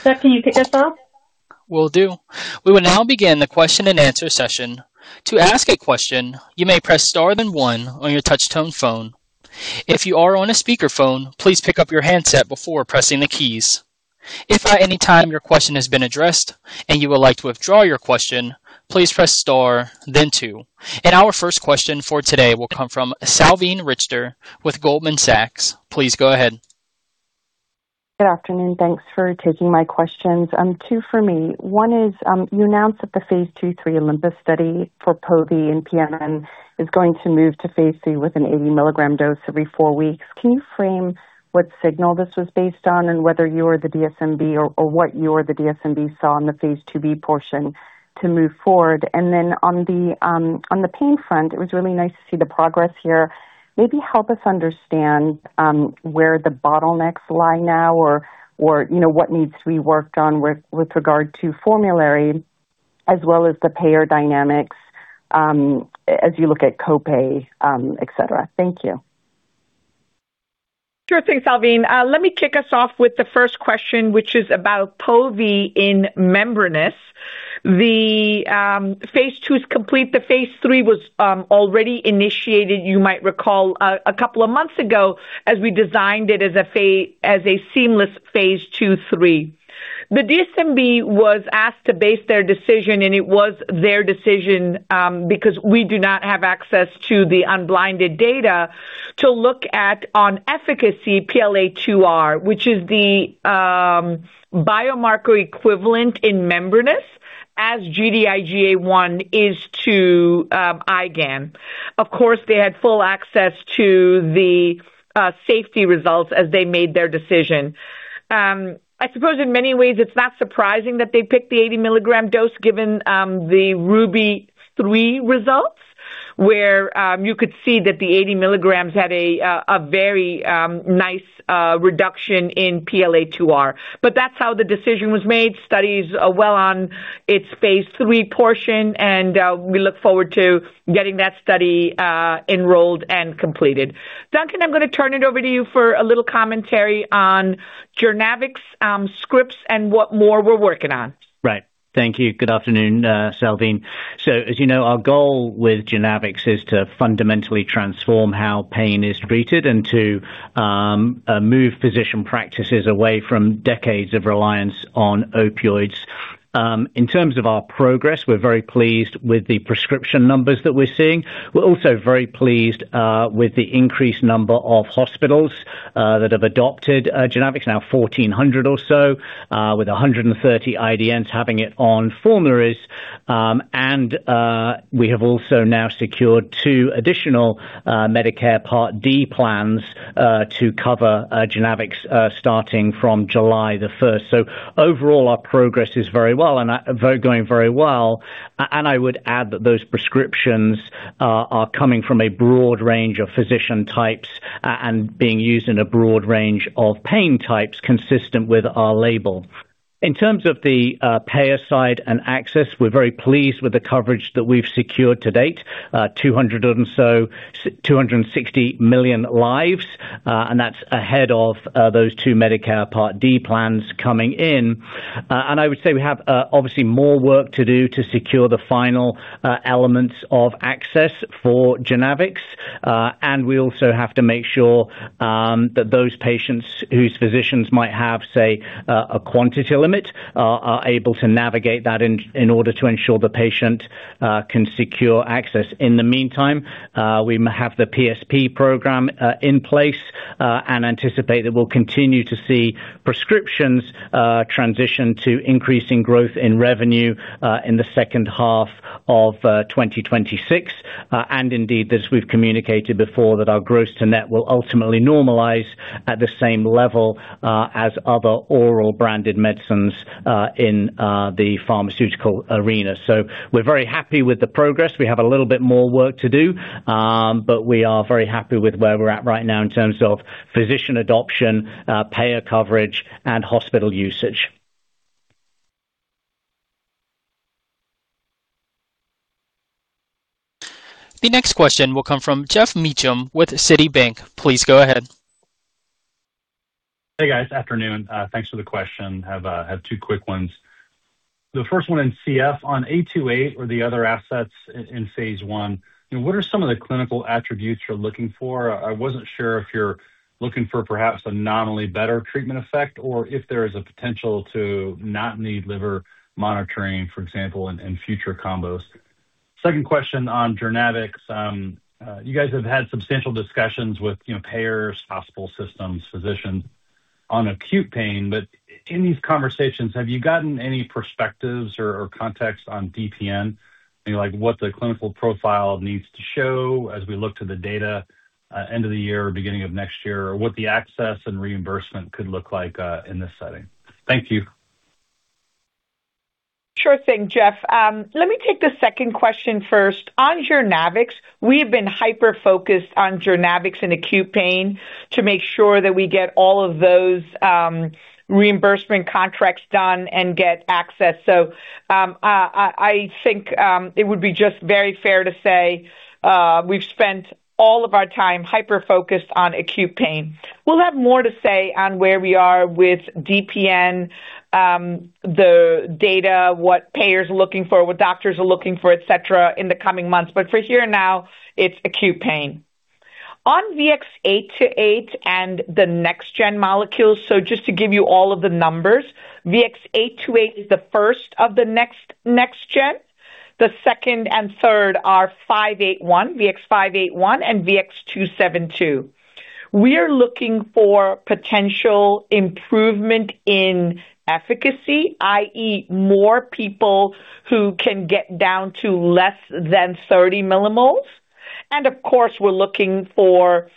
Seth, can you kick us off? Will do. We will now begin the question-and-answer session. To ask a question, you may press star then one on your touch tone phone. If you are on a speakerphone, please pick up your handset before pressing the keys. If at any time your question has been addressed and you would like to withdraw your question, please press star then two. Our first question for today will come from Salveen Richter with Goldman Sachs. Please go ahead. Good afternoon. Thanks for taking my questions. Two for me. One is, you announced that the phase II/III OLYMPUS study for POVI in pMN is going to move to phase III with an 80 mg dose every four weeks. Can you frame what signal this was based on and whether you or the DSMB, or what you or the DSMB saw in the phase IIB portion to move forward? On the pain front, it was really nice to see the progress here. Maybe help us understand where the bottlenecks lie now or what needs to be worked on with regard to formulary as well as the payer dynamics as you look at copay, et cetera. Thank you. Sure thing, Salveen. Let me kick us off with the first question, which is about POVI in membranous. The phase II's complete. The phase III was already initiated, you might recall, a couple of months ago as we designed it as a seamless phase II/III. The DSMB was asked to base their decision, and it was their decision because we do not have access to the unblinded data to look at on efficacy PLA2R, which is the biomarker equivalent in membranous as Gd-IgA1 is to IgAN. Of course, they had full access to the safety results as they made their decision. I suppose in many ways it's not surprising that they picked the 80 mg dose given the RUBY-3 results, where you could see that the 80 mg had a very nice reduction in PLA2R. That's how the decision was made. Study's well on its phase III portion. We look forward to getting that study enrolled and completed. Duncan, I'm going to turn it over to you for a little commentary on JOURNAVX scripts and what more we're working on. Thank you. Good afternoon, Salveen. As you know, our goal with JOURNAVX is to fundamentally transform how pain is treated and to move physician practices away from decades of reliance on opioids. In terms of our progress, we're very pleased with the prescription numbers that we're seeing. We're also very pleased with the increased number of hospitals that have adopted JOURNAVX, now 1,400 or so, with 130 IDNs having it on formularies. We have also now secured two additional Medicare Part D plans to cover JOURNAVX starting from July the 1st. Overall, our progress is going very well. I would add that those prescriptions are coming from a broad range of physician types and being used in a broad range of pain types consistent with our label. In terms of the payer side and access, we're very pleased with the coverage that we've secured to date. 260 million lives, and that's ahead of those two Medicare Part D plans coming in. I would say we have obviously more work to do to secure the final elements of access for JOURNAVX. We also have to make sure that those patients whose physicians might have, say, a quantity limit are able to navigate that in order to ensure the patient can secure access. In the meantime, we have the PSP program in place and anticipate that we'll continue to see prescriptions transition to increasing growth in revenue in the second half of 2026. Indeed, as we've communicated before, that our gross to net will ultimately normalize at the same level as other oral branded medicines in the pharmaceutical arena. We're very happy with the progress. We have a little bit more work to do. We are very happy with where we're at right now in terms of physician adoption, payer coverage, and hospital usage. The next question will come from Geoff Meacham with Citibank. Please go ahead. Hey, guys. Afternoon. Thanks for the question. Have two quick ones. The first one in CF on VX-828 or the other assets in phase I. What are some of the clinical attributes you're looking for? I wasn't sure if you're looking for perhaps a nominally better treatment effect or if there is a potential to not need liver monitoring, for example, in future combos. Second question on JOURNAVX. You guys have had substantial discussions with payers, hospital systems, physicians on acute pain. In these conversations, have you gotten any perspectives or context on DPN? Like what the clinical profile needs to show as we look to the data end of the year or beginning of next year, or what the access and reimbursement could look like in this setting. Thank you. Sure thing, Geoff. Let me take the second question first. On JOURNAVX, we have been hyper-focused on JOURNAVX and acute pain to make sure that we get all of those reimbursement contracts done and get access. I think it would be just very fair to say we've spent all of our time hyper-focused on acute pain. We'll have more to say on where we are with DPN, the data, what payers are looking for, what doctors are looking for, et cetera, in the coming months. For here now, it's acute pain. On VX-828 and the next-gen molecules, just to give you all of the numbers, VX-828 is the first of the next gen. The second and third are VX-581 and VX-272. We are looking for potential improvement in efficacy, i.e. More people who can get down to less than 30 millimoles. Of course, we're looking for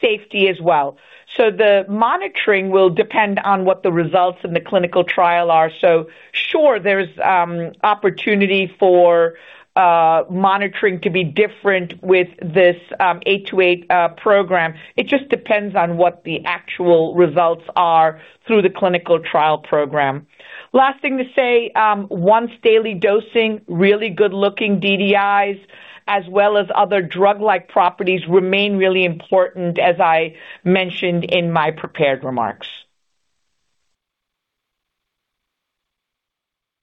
safety as well. The monitoring will depend on what the results in the clinical trial are. Sure, there's opportunity for monitoring to be different with this VX-828 program. It just depends on what the actual results are through the clinical trial program. Last thing to say, once daily dosing, really good-looking DDIs as well as other drug-like properties remain really important as I mentioned in my prepared remarks.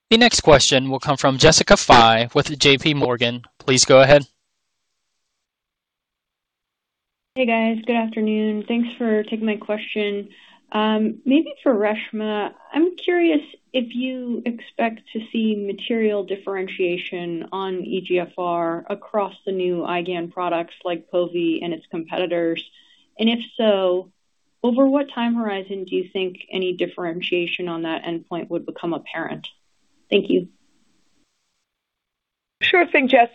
The next question will come from Jessica Fye with JPMorgan. Please go ahead. Hey, guys. Good afternoon. Thanks for taking my question. Maybe for Reshma, I'm curious if you expect to see material differentiation on eGFR across the new IgAN products like POVI and its competitors. If so, over what time horizon do you think any differentiation on that endpoint would become apparent? Thank you. Sure thing, Jess.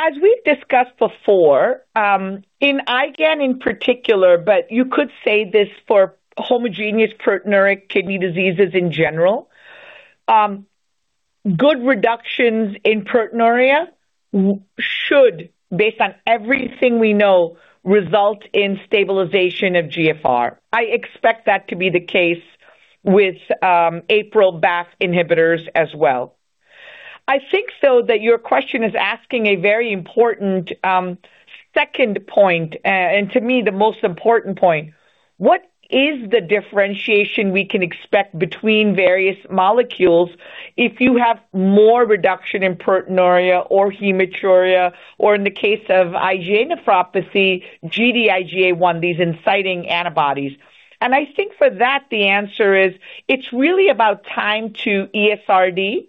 As we've discussed before, in IgAN in particular, you could say this for homogeneous proteinuria kidney diseases in general, good reductions in proteinuria should, based on everything we know, result in stabilization of GFR. I expect that to be the case with APRIL/BAFF inhibitors as well. I think, so that your question is asking a very important second point, and to me, the most important point. What is the differentiation we can expect between various molecules if you have more reduction in proteinuria or hematuria or in the case of IgA nephropathy, Gd-IgA1, these inciting antibodies? I think for that, the answer is, it's really about time to ESRD.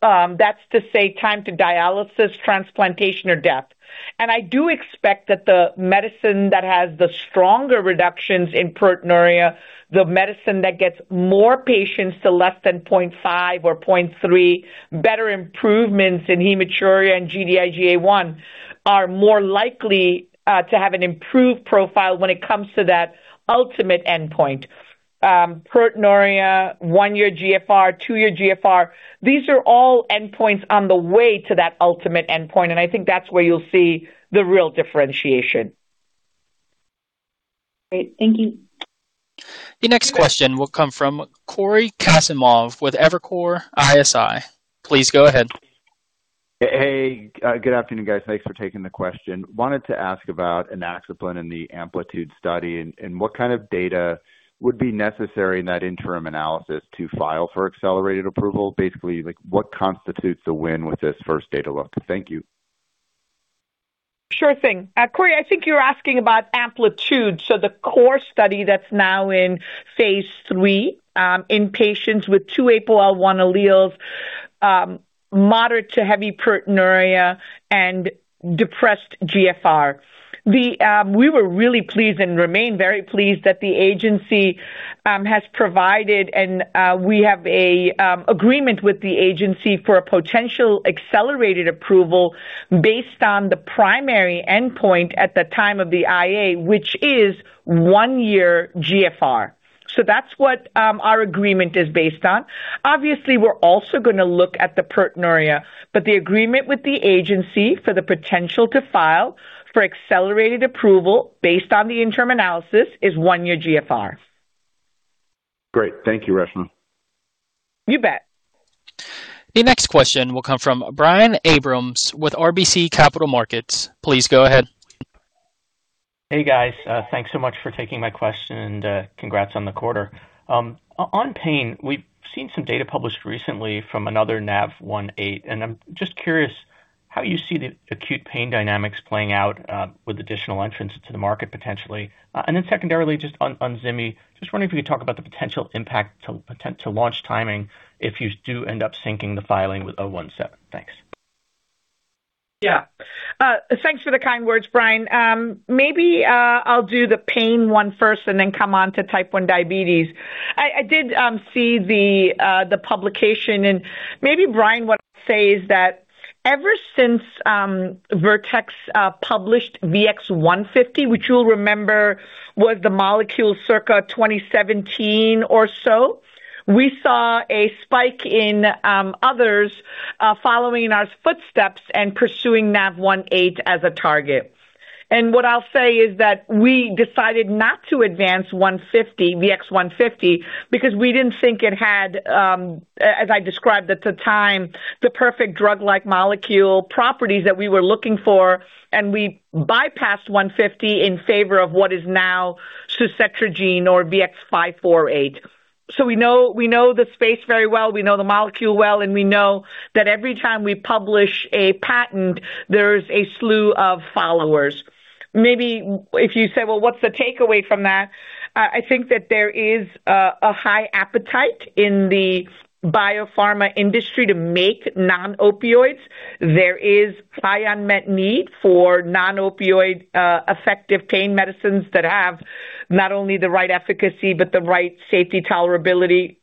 That's to say time to dialysis, transplantation, or death. I do expect that the medicine that has the stronger reductions in proteinuria, the medicine that gets more patients to less than 0.5 or 0.3, better improvements in hematuria and Gd-IgA1 are more likely to have an improved profile when it comes to that ultimate endpoint. Proteinuria, one-year GFR, two-year GFR, these are all endpoints on the way to that ultimate endpoint, I think that's where you'll see the real differentiation. Great. Thank you. The next question will come from Cory Kasimov with Evercore ISI. Please go ahead. Hey, good afternoon, guys. Thanks for taking the question. Wanted to ask about inaxaplin in the AMPLITUDE study, what kind of data would be necessary in that interim analysis to file for accelerated approval? Basically, what constitutes a win with this first data look? Thank you. Sure thing. Cory, I think you're asking about AMPLITUDE, the core study that's now in phase III, in patients with two APOL1 alleles, moderate to heavy proteinuria, and depressed GFR. We were really pleased and remain very pleased that the agency has provided, and we have an agreement with the agency for a potential accelerated approval based on the primary endpoint at the time of the IA, which is one-year GFR. That's what our agreement is based on. Obviously, we're also going to look at the proteinuria, the agreement with the agency for the potential to file for accelerated approval based on the interim analysis is one-year GFR. Great. Thank you, Reshma. You bet. The next question will come from Brian Abrahams with RBC Capital Markets. Please go ahead. Hey, guys. Thanks so much for taking my question and congrats on the quarter. On pain, we've seen some data published recently from another NaV1.8, I'm just curious how you see the acute pain dynamics playing out with additional entrants into the market potentially. Then secondarily, just on exemlcel, just wondering if you could talk about the potential impact to launch timing if you do end up syncing the filing with 017. Thanks. Thanks for the kind words, Brian. Maybe I'll do the pain one first and then come on to Type 1 Diabetes. I did see the publication. Maybe, Brian, what I'll say is that ever since Vertex published VX-150, which you'll remember was the molecule circa 2017 or so, we saw a spike in others following in our footsteps and pursuing NaV1.8 as a target. What I'll say is that we decided not to advance VX-150 because we didn't think it had, as I described at the time, the perfect drug-like molecule properties that we were looking for, and we bypassed 150 in favor of what is now suzetrigine or VX-548. We know the space very well, we know the molecule well, and we know that every time we publish a patent, there's a slew of followers. Maybe if you say, "Well, what's the takeaway from that?" I think that there is a high appetite in the biopharma industry to make non-opioids. There is high unmet need for non-opioid effective pain medicines that have not only the right efficacy, but the right safety tolerability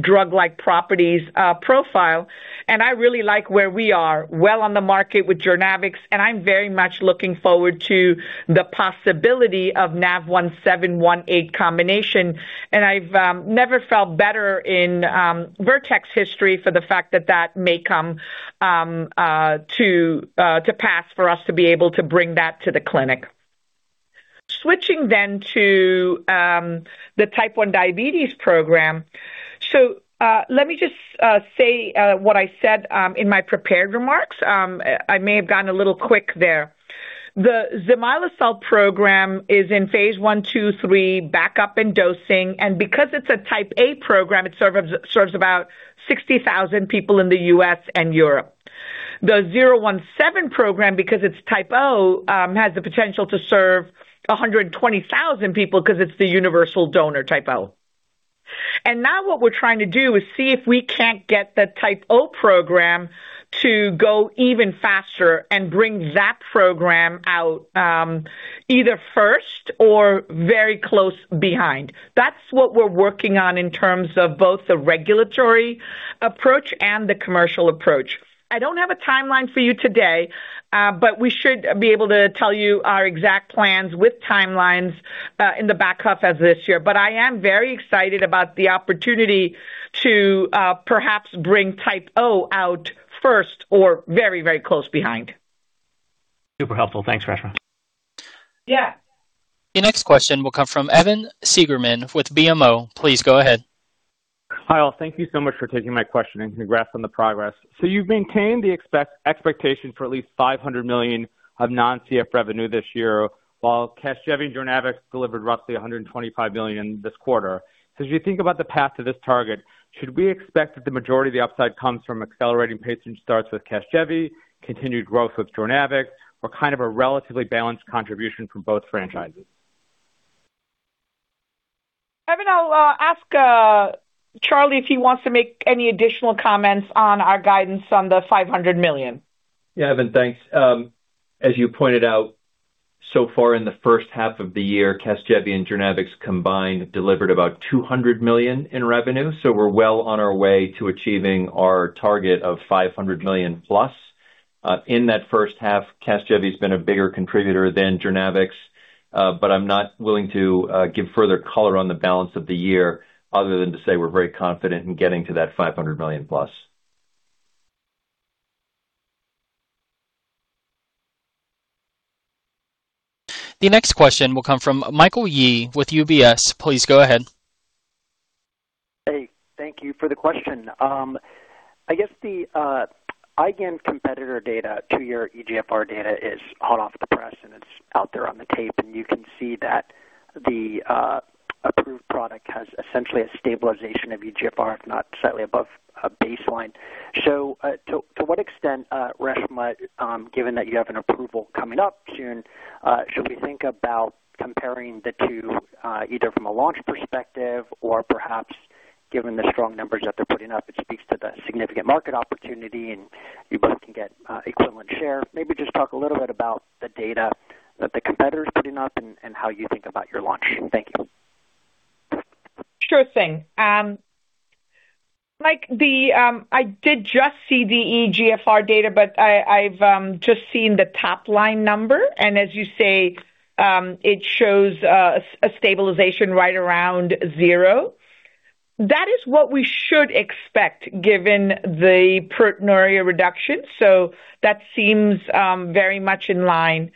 drug-like properties profile. I really like where we are, well on the market with JOURNAVX, and I'm very much looking forward to the possibility of NaV1.7/1.8 combination, and I've never felt better in Vertex history for the fact that that may come to pass for us to be able to bring that to the clinic. Switching then to the Type 1 Diabetes program. Let me just say what I said in my prepared remarks. I may have gone a little quick there. The exemlcel program is in phase I, II, III, backup, and dosing, and because it's a type A program, it serves about 60,000 people in the U.S. and Europe. The 017 program, because it's type O, has the potential to serve 120,000 people because it's the universal donor type O. Now what we're trying to do is see if we can't get the type O program to go even faster and bring that program out either first or very close behind. That's what we're working on in terms of both the regulatory approach and the commercial approach. I don't have a timeline for you today, but we should be able to tell you our exact plans with timelines in the back half of this year. I am very excited about the opportunity to perhaps bring type O out first or very close behind. Super helpful. Thanks, Reshma. Yeah. The next question will come from Evan Seigerman with BMO. Please go ahead. Hi, all. Thank you so much for taking my question, and congrats on the progress. You've maintained the expectation for at least $500 million of non-CF revenue this year, while CASGEVY and JOURNAVX delivered roughly $125 million this quarter. As you think about the path to this target, should we expect that the majority of the upside comes from accelerating patient starts with CASGEVY, continued growth with JOURNAVX, or kind of a relatively balanced contribution from both franchises? Evan, I'll ask Charlie if he wants to make any additional comments on our guidance on the $500 million. Evan, thanks. As you pointed out, so far in the first half of the year, CASGEVY and JOURNAVX combined delivered about $200 million in revenue, so we're well on our way to achieving our target of $500 million+. In that first half, CASGEVY's been a bigger contributor than JOURNAVX. I'm not willing to give further color on the balance of the year other than to say we're very confident in getting to that $500 million+. The next question will come from Michael Yee with UBS. Please go ahead. Hey, thank you for the question. I guess the IgAN competitor data to your eGFR data is hot off the press, and it's out there on the tape, and you can see that the approved product has essentially a stabilization of eGFR, if not slightly above baseline. To what extent, Reshma, given that you have an approval coming up soon, should we think about comparing the two, either from a launch perspective or perhaps given the strong numbers that they're putting up, it speaks to the significant market opportunity and you both can get equivalent share. Maybe just talk a little bit about the data that the competitor is putting up and how you think about your launch. Thank you. Sure thing. Mike, I did just see the eGFR data, but I've just seen the top-line number, and as you say, it shows a stabilization right around zero. That is what we should expect given the proteinuria reduction. That seems very much in line.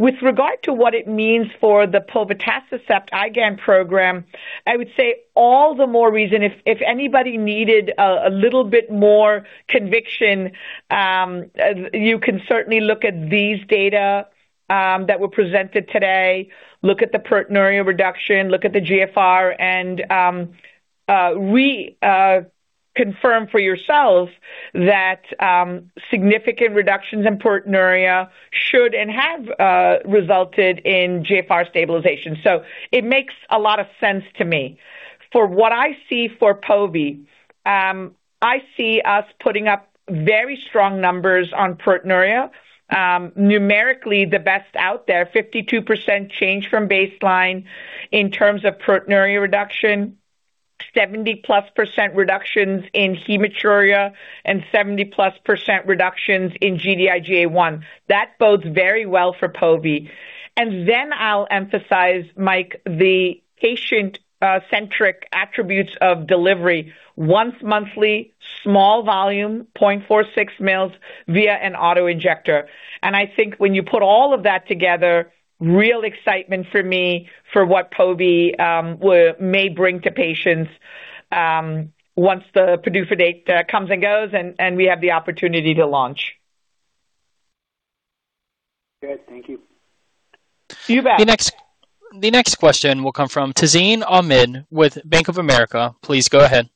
With regard to what it means for the povetacicept IgAN program, I would say all the more reason. If anybody needed a little bit more conviction, you can certainly look at these data that were presented today, look at the proteinuria reduction, look at the GFR, and reconfirm for yourselves that significant reductions in proteinuria should and have resulted in GFR stabilization. It makes a lot of sense to me. For what I see for POVI, I see us putting up very strong numbers on proteinuria. Numerically, the best out there, 52% change from baseline in terms of proteinuria reduction, 70+ % reductions in hematuria, and 70+ % reductions in Gd-IgA1. That bodes very well for POVI. I'll emphasize, Mike, the patient-centric attributes of delivery. Once monthly, small volume, 0.46 mils via an auto-injector. I think when you put all of that together, real excitement for me for what POVI may bring to patients once the PDUFA date comes and goes and we have the opportunity to launch. Good. Thank you. You bet. The next question will come from Tazeen Ahmad with Bank of America. Please go ahead.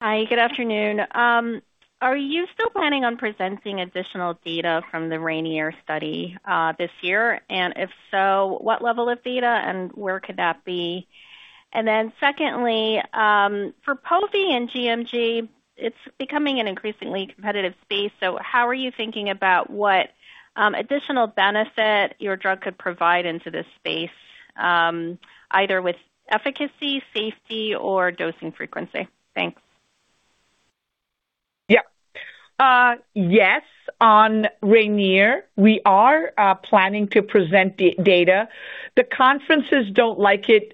Hi, good afternoon. Are you still planning on presenting additional data from the RAINIER study this year? If so, what level of data and where could that be? Secondly, for POVI and gMG, it's becoming an increasingly competitive space, so how are you thinking about what additional benefit your drug could provide into this space, either with efficacy, safety, or dosing frequency? Thanks. Yeah. Yes, on RAINIER, we are planning to present data. The conferences don't like it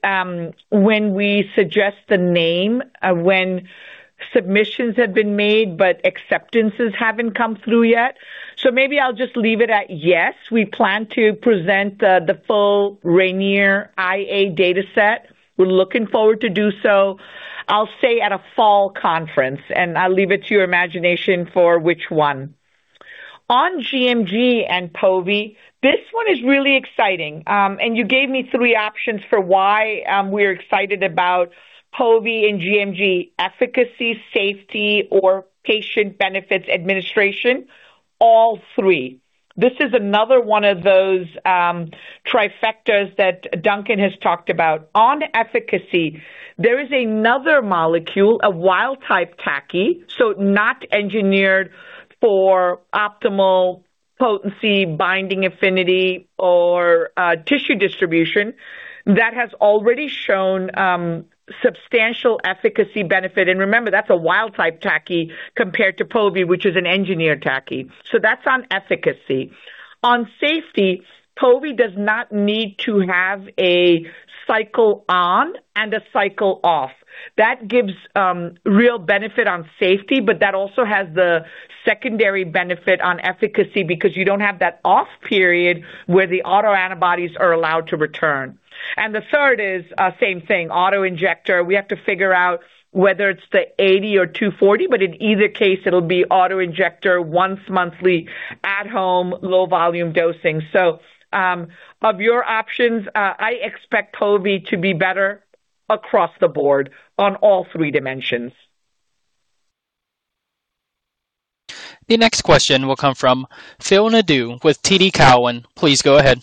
when we suggest the name when submissions have been made, but acceptances haven't come through yet. Maybe I'll just leave it at, yes, we plan to present the full RAINIER IA data set. We're looking forward to do so, I'll say at a fall conference, and I'll leave it to your imagination for which one. On gMG and POVI, this one is really exciting. You gave me three options for why we're excited about POVI and gMG efficacy, safety, or patient benefits administration, all three. This is another one of those trifectas that Duncan has talked about. On efficacy, there is another molecule, a wild type TACI, so not engineered for optimal potency, binding affinity, or tissue distribution, that has already shown substantial efficacy benefit. Remember, that's a wild-type TACI compared to POVI, which is an engineered TACI. That's on efficacy. On safety, POVI does not need to have a cycle on and a cycle off. That gives real benefit on safety, but that also has the secondary benefit on efficacy because you don't have that off period where the autoantibodies are allowed to return. The third is same thing, auto-injector. We have to figure out whether it's the 80 or 240, but in either case, it'll be auto-injector once monthly at home, low volume dosing. Of your options, I expect POVI to be better across the board on all three dimensions. The next question will come from Phil Nadeau with TD Cowen. Please go ahead.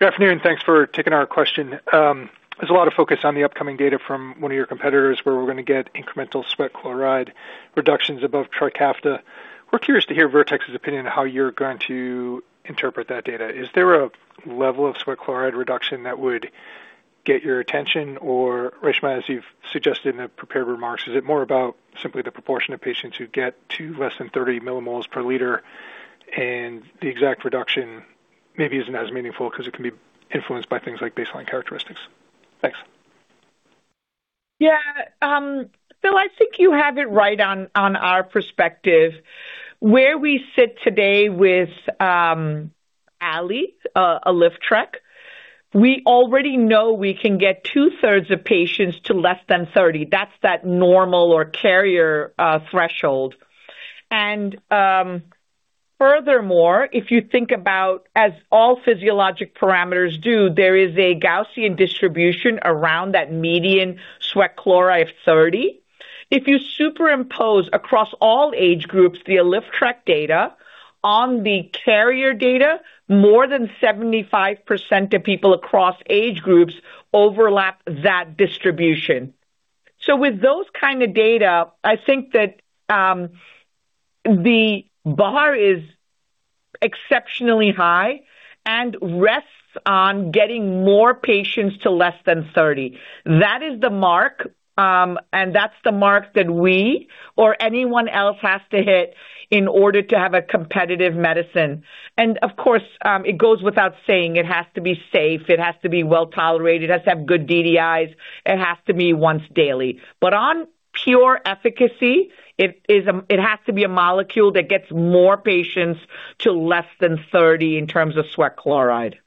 Good afternoon. Thanks for taking our question. There's a lot of focus on the upcoming data from one of your competitors where we're going to get incremental sweat chloride reductions above TRIKAFTA. We're curious to hear Vertex's opinion on how you're going to interpret that data. Is there a level of sweat chloride reduction that would get your attention? Or Reshma, as you've suggested in the prepared remarks, is it more about simply the proportion of patients who get to less than 30 millimoles per liter and the exact reduction maybe isn't as meaningful because it can be influenced by things like baseline characteristics? Thanks. Yeah. Phil, I think you have it right on our perspective. Where we sit today with ALYFTREK, we already know we can get 2/3 of patients to less than 30. That's that normal or carrier threshold. Furthermore, if you think about as all physiologic parameters do, there is a Gaussian distribution around that median sweat chloride of 30. If you superimpose across all age groups the ALYFTREK data on the carrier data, more than 75% of people across age groups overlap that distribution. With those kind of data, I think that the bar is exceptionally high and rests on getting more patients to less than 30. That is the mark, and that's the mark that we or anyone else has to hit in order to have a competitive medicine. Of course, it goes without saying, it has to be safe, it has to be well-tolerated, it has to have good DDIs, it has to be once daily. On pure efficacy, it has to be a molecule that gets more patients to less than 30 in terms of sweat chloride.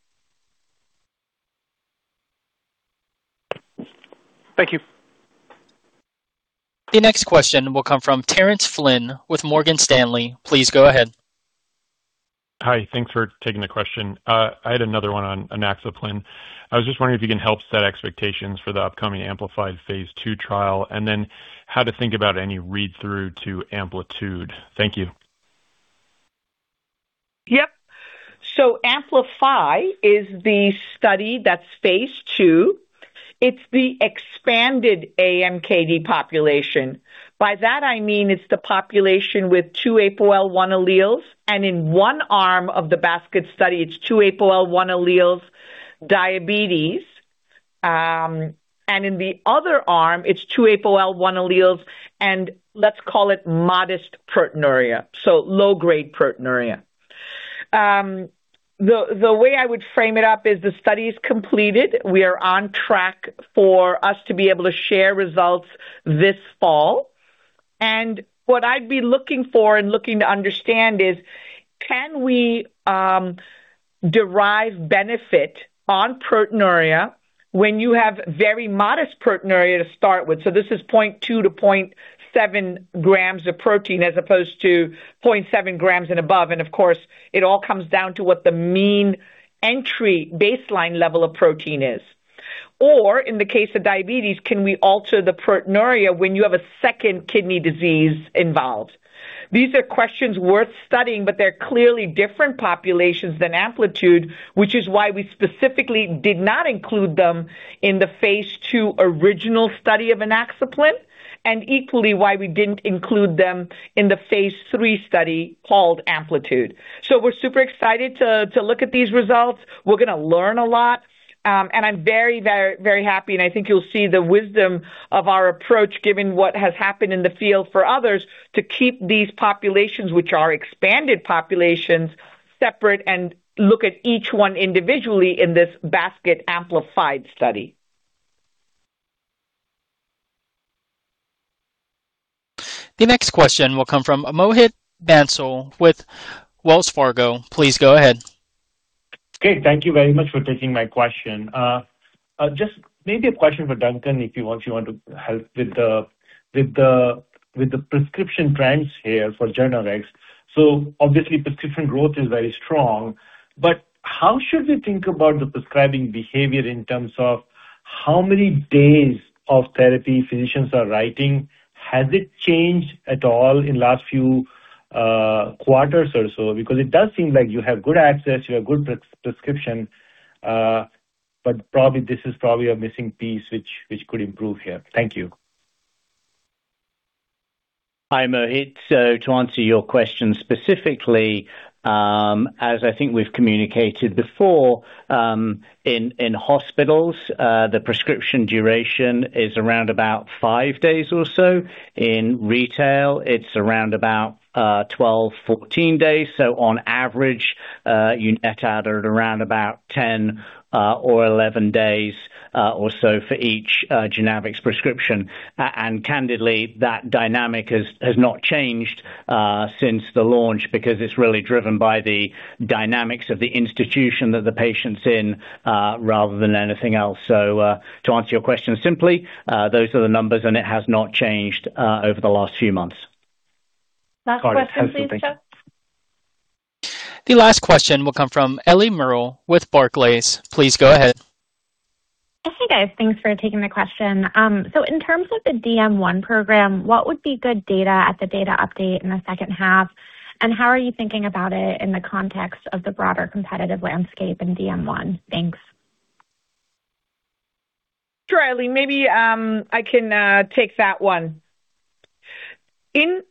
Thank you. The next question will come from Terence Flynn with Morgan Stanley. Please go ahead. Hi. Thanks for taking the question. I had another one on inaxaplin. I was just wondering if you can help set expectations for the upcoming AMPLIFY phase II trial, how to think about any read-through to AMPLITUDE. Thank you. Yep. AMPLIFY is the study that's phase II. It's the expanded AMKD population. By that I mean it's the population with two APOL1 alleles. In one arm of the basket study, it's two APOL1 alleles diabetes, and in the other arm it's two APOL1 alleles and let's call it modest proteinuria. Low-grade proteinuria. The way I would frame it up is the study is completed. We are on track for us to be able to share results this fall. What I'd be looking for and looking to understand is, can we derive benefit on proteinuria when you have very modest proteinuria to start with? This is 0.2-0.7 g of protein as opposed to 0.7 g and above. Of course, it all comes down to what the mean entry baseline level of protein is. Or in the case of diabetes, can we alter the proteinuria when you have a second kidney disease involved? These are questions worth studying, but they're clearly different populations than AMPLITUDE, which is why we specifically did not include them in the phase II original study of inaxaplin, and equally why we didn't include them in the phase III study called AMPLITUDE. We're super excited to look at these results. We're going to learn a lot. I'm very happy, and I think you'll see the wisdom of our approach, given what has happened in the field for others to keep these populations, which are expanded populations, separate and look at each one individually in this basket AMPLIFIED study. The next question will come from Mohit Bansal with Wells Fargo. Please go ahead. Okay, thank you very much for taking my question. Just maybe a question for Duncan, if you want to help with the prescription trends here for JOURNAVX. Obviously prescription growth is very strong, but how should we think about the prescribing behavior in terms of how many days of therapy physicians are writing? Has it changed at all in last few quarters or so? It does seem like you have good access, you have good prescription. This is probably a missing piece which could improve here. Thank you. Hi, Mohit. To answer your question specifically, as I think we've communicated before, in hospitals, the prescription duration is around about five days or so. In retail, it's around about 12, 14 days. On average, you net out at around about 10 or 11 days or so for each JOURNAVX prescription. Candidly, that dynamic has not changed since the launch because it's really driven by the dynamics of the institution that the patient's in rather than anything else. To answer your question simply, those are the numbers, and it has not changed over the last few months. Last question please, seth. The last question will come from Ellie Merle with Barclays. Please go ahead. Hey, guys. Thanks for taking the question. In terms of the DM1 program, what would be good data at the data update in the second half, and how are you thinking about it in the context of the broader competitive landscape in DM1? Thanks. Sure, Ellie. Maybe I can take that one. In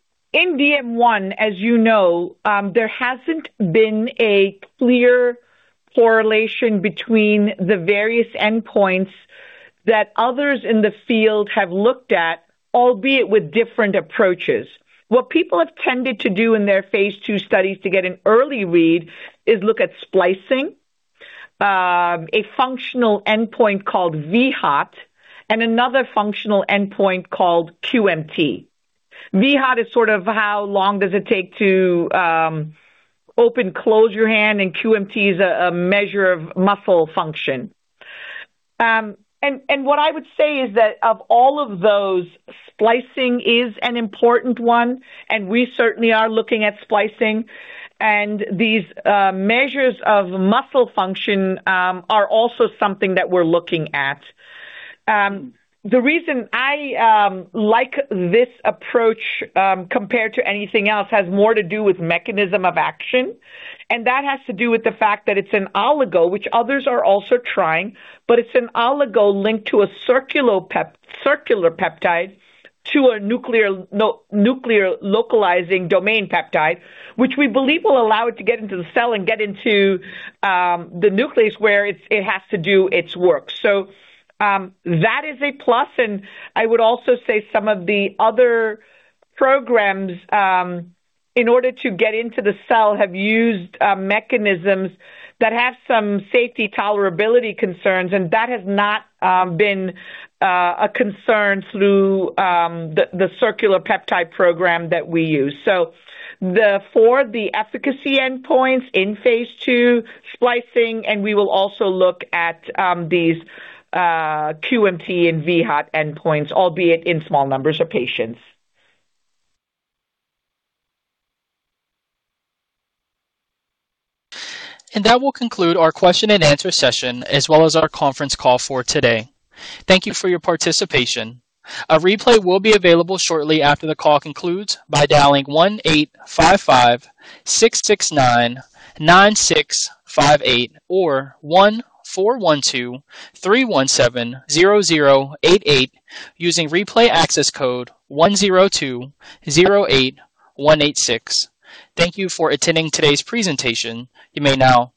DM1, as you know, there hasn't been a clear correlation between the various endpoints that others in the field have looked at, albeit with different approaches. What people have tended to do in their phase II studies to get an early read is look at splicing, a functional endpoint called vHOT, and another functional endpoint called QMT. vHOT is sort of how long does it take to open, close your hand, and QMT is a measure of muscle function. What I would say is that of all of those, splicing is an important one, and we certainly are looking at splicing. These measures of muscle function are also something that we're looking at. The reason I like this approach, compared to anything else has more to do with mechanism of action, and that has to do with the fact that it's an oligo, which others are also trying, but it's an oligo linked to a circular peptide to a nuclear localizing domain peptide, which we believe will allow it to get into the cell and get into the nucleus where it has to do its work. That is a plus, I would also say some of the other programs, in order to get into the cell, have used mechanisms that have some safety tolerability concerns, and that has not been a concern through the circular peptide program that we use. For the efficacy endpoints in phase II splicing, and we will also look at these QMT and vHOT endpoints, albeit in small numbers of patients. That will conclude our question and answer session as well as our conference call for today. Thank you for your participation. A replay will be available shortly after the call concludes by dialing 1-855-669-9658 or 1-412-317-0088 using replay access code 10208186. Thank you for attending today's presentation. You may now disconnect.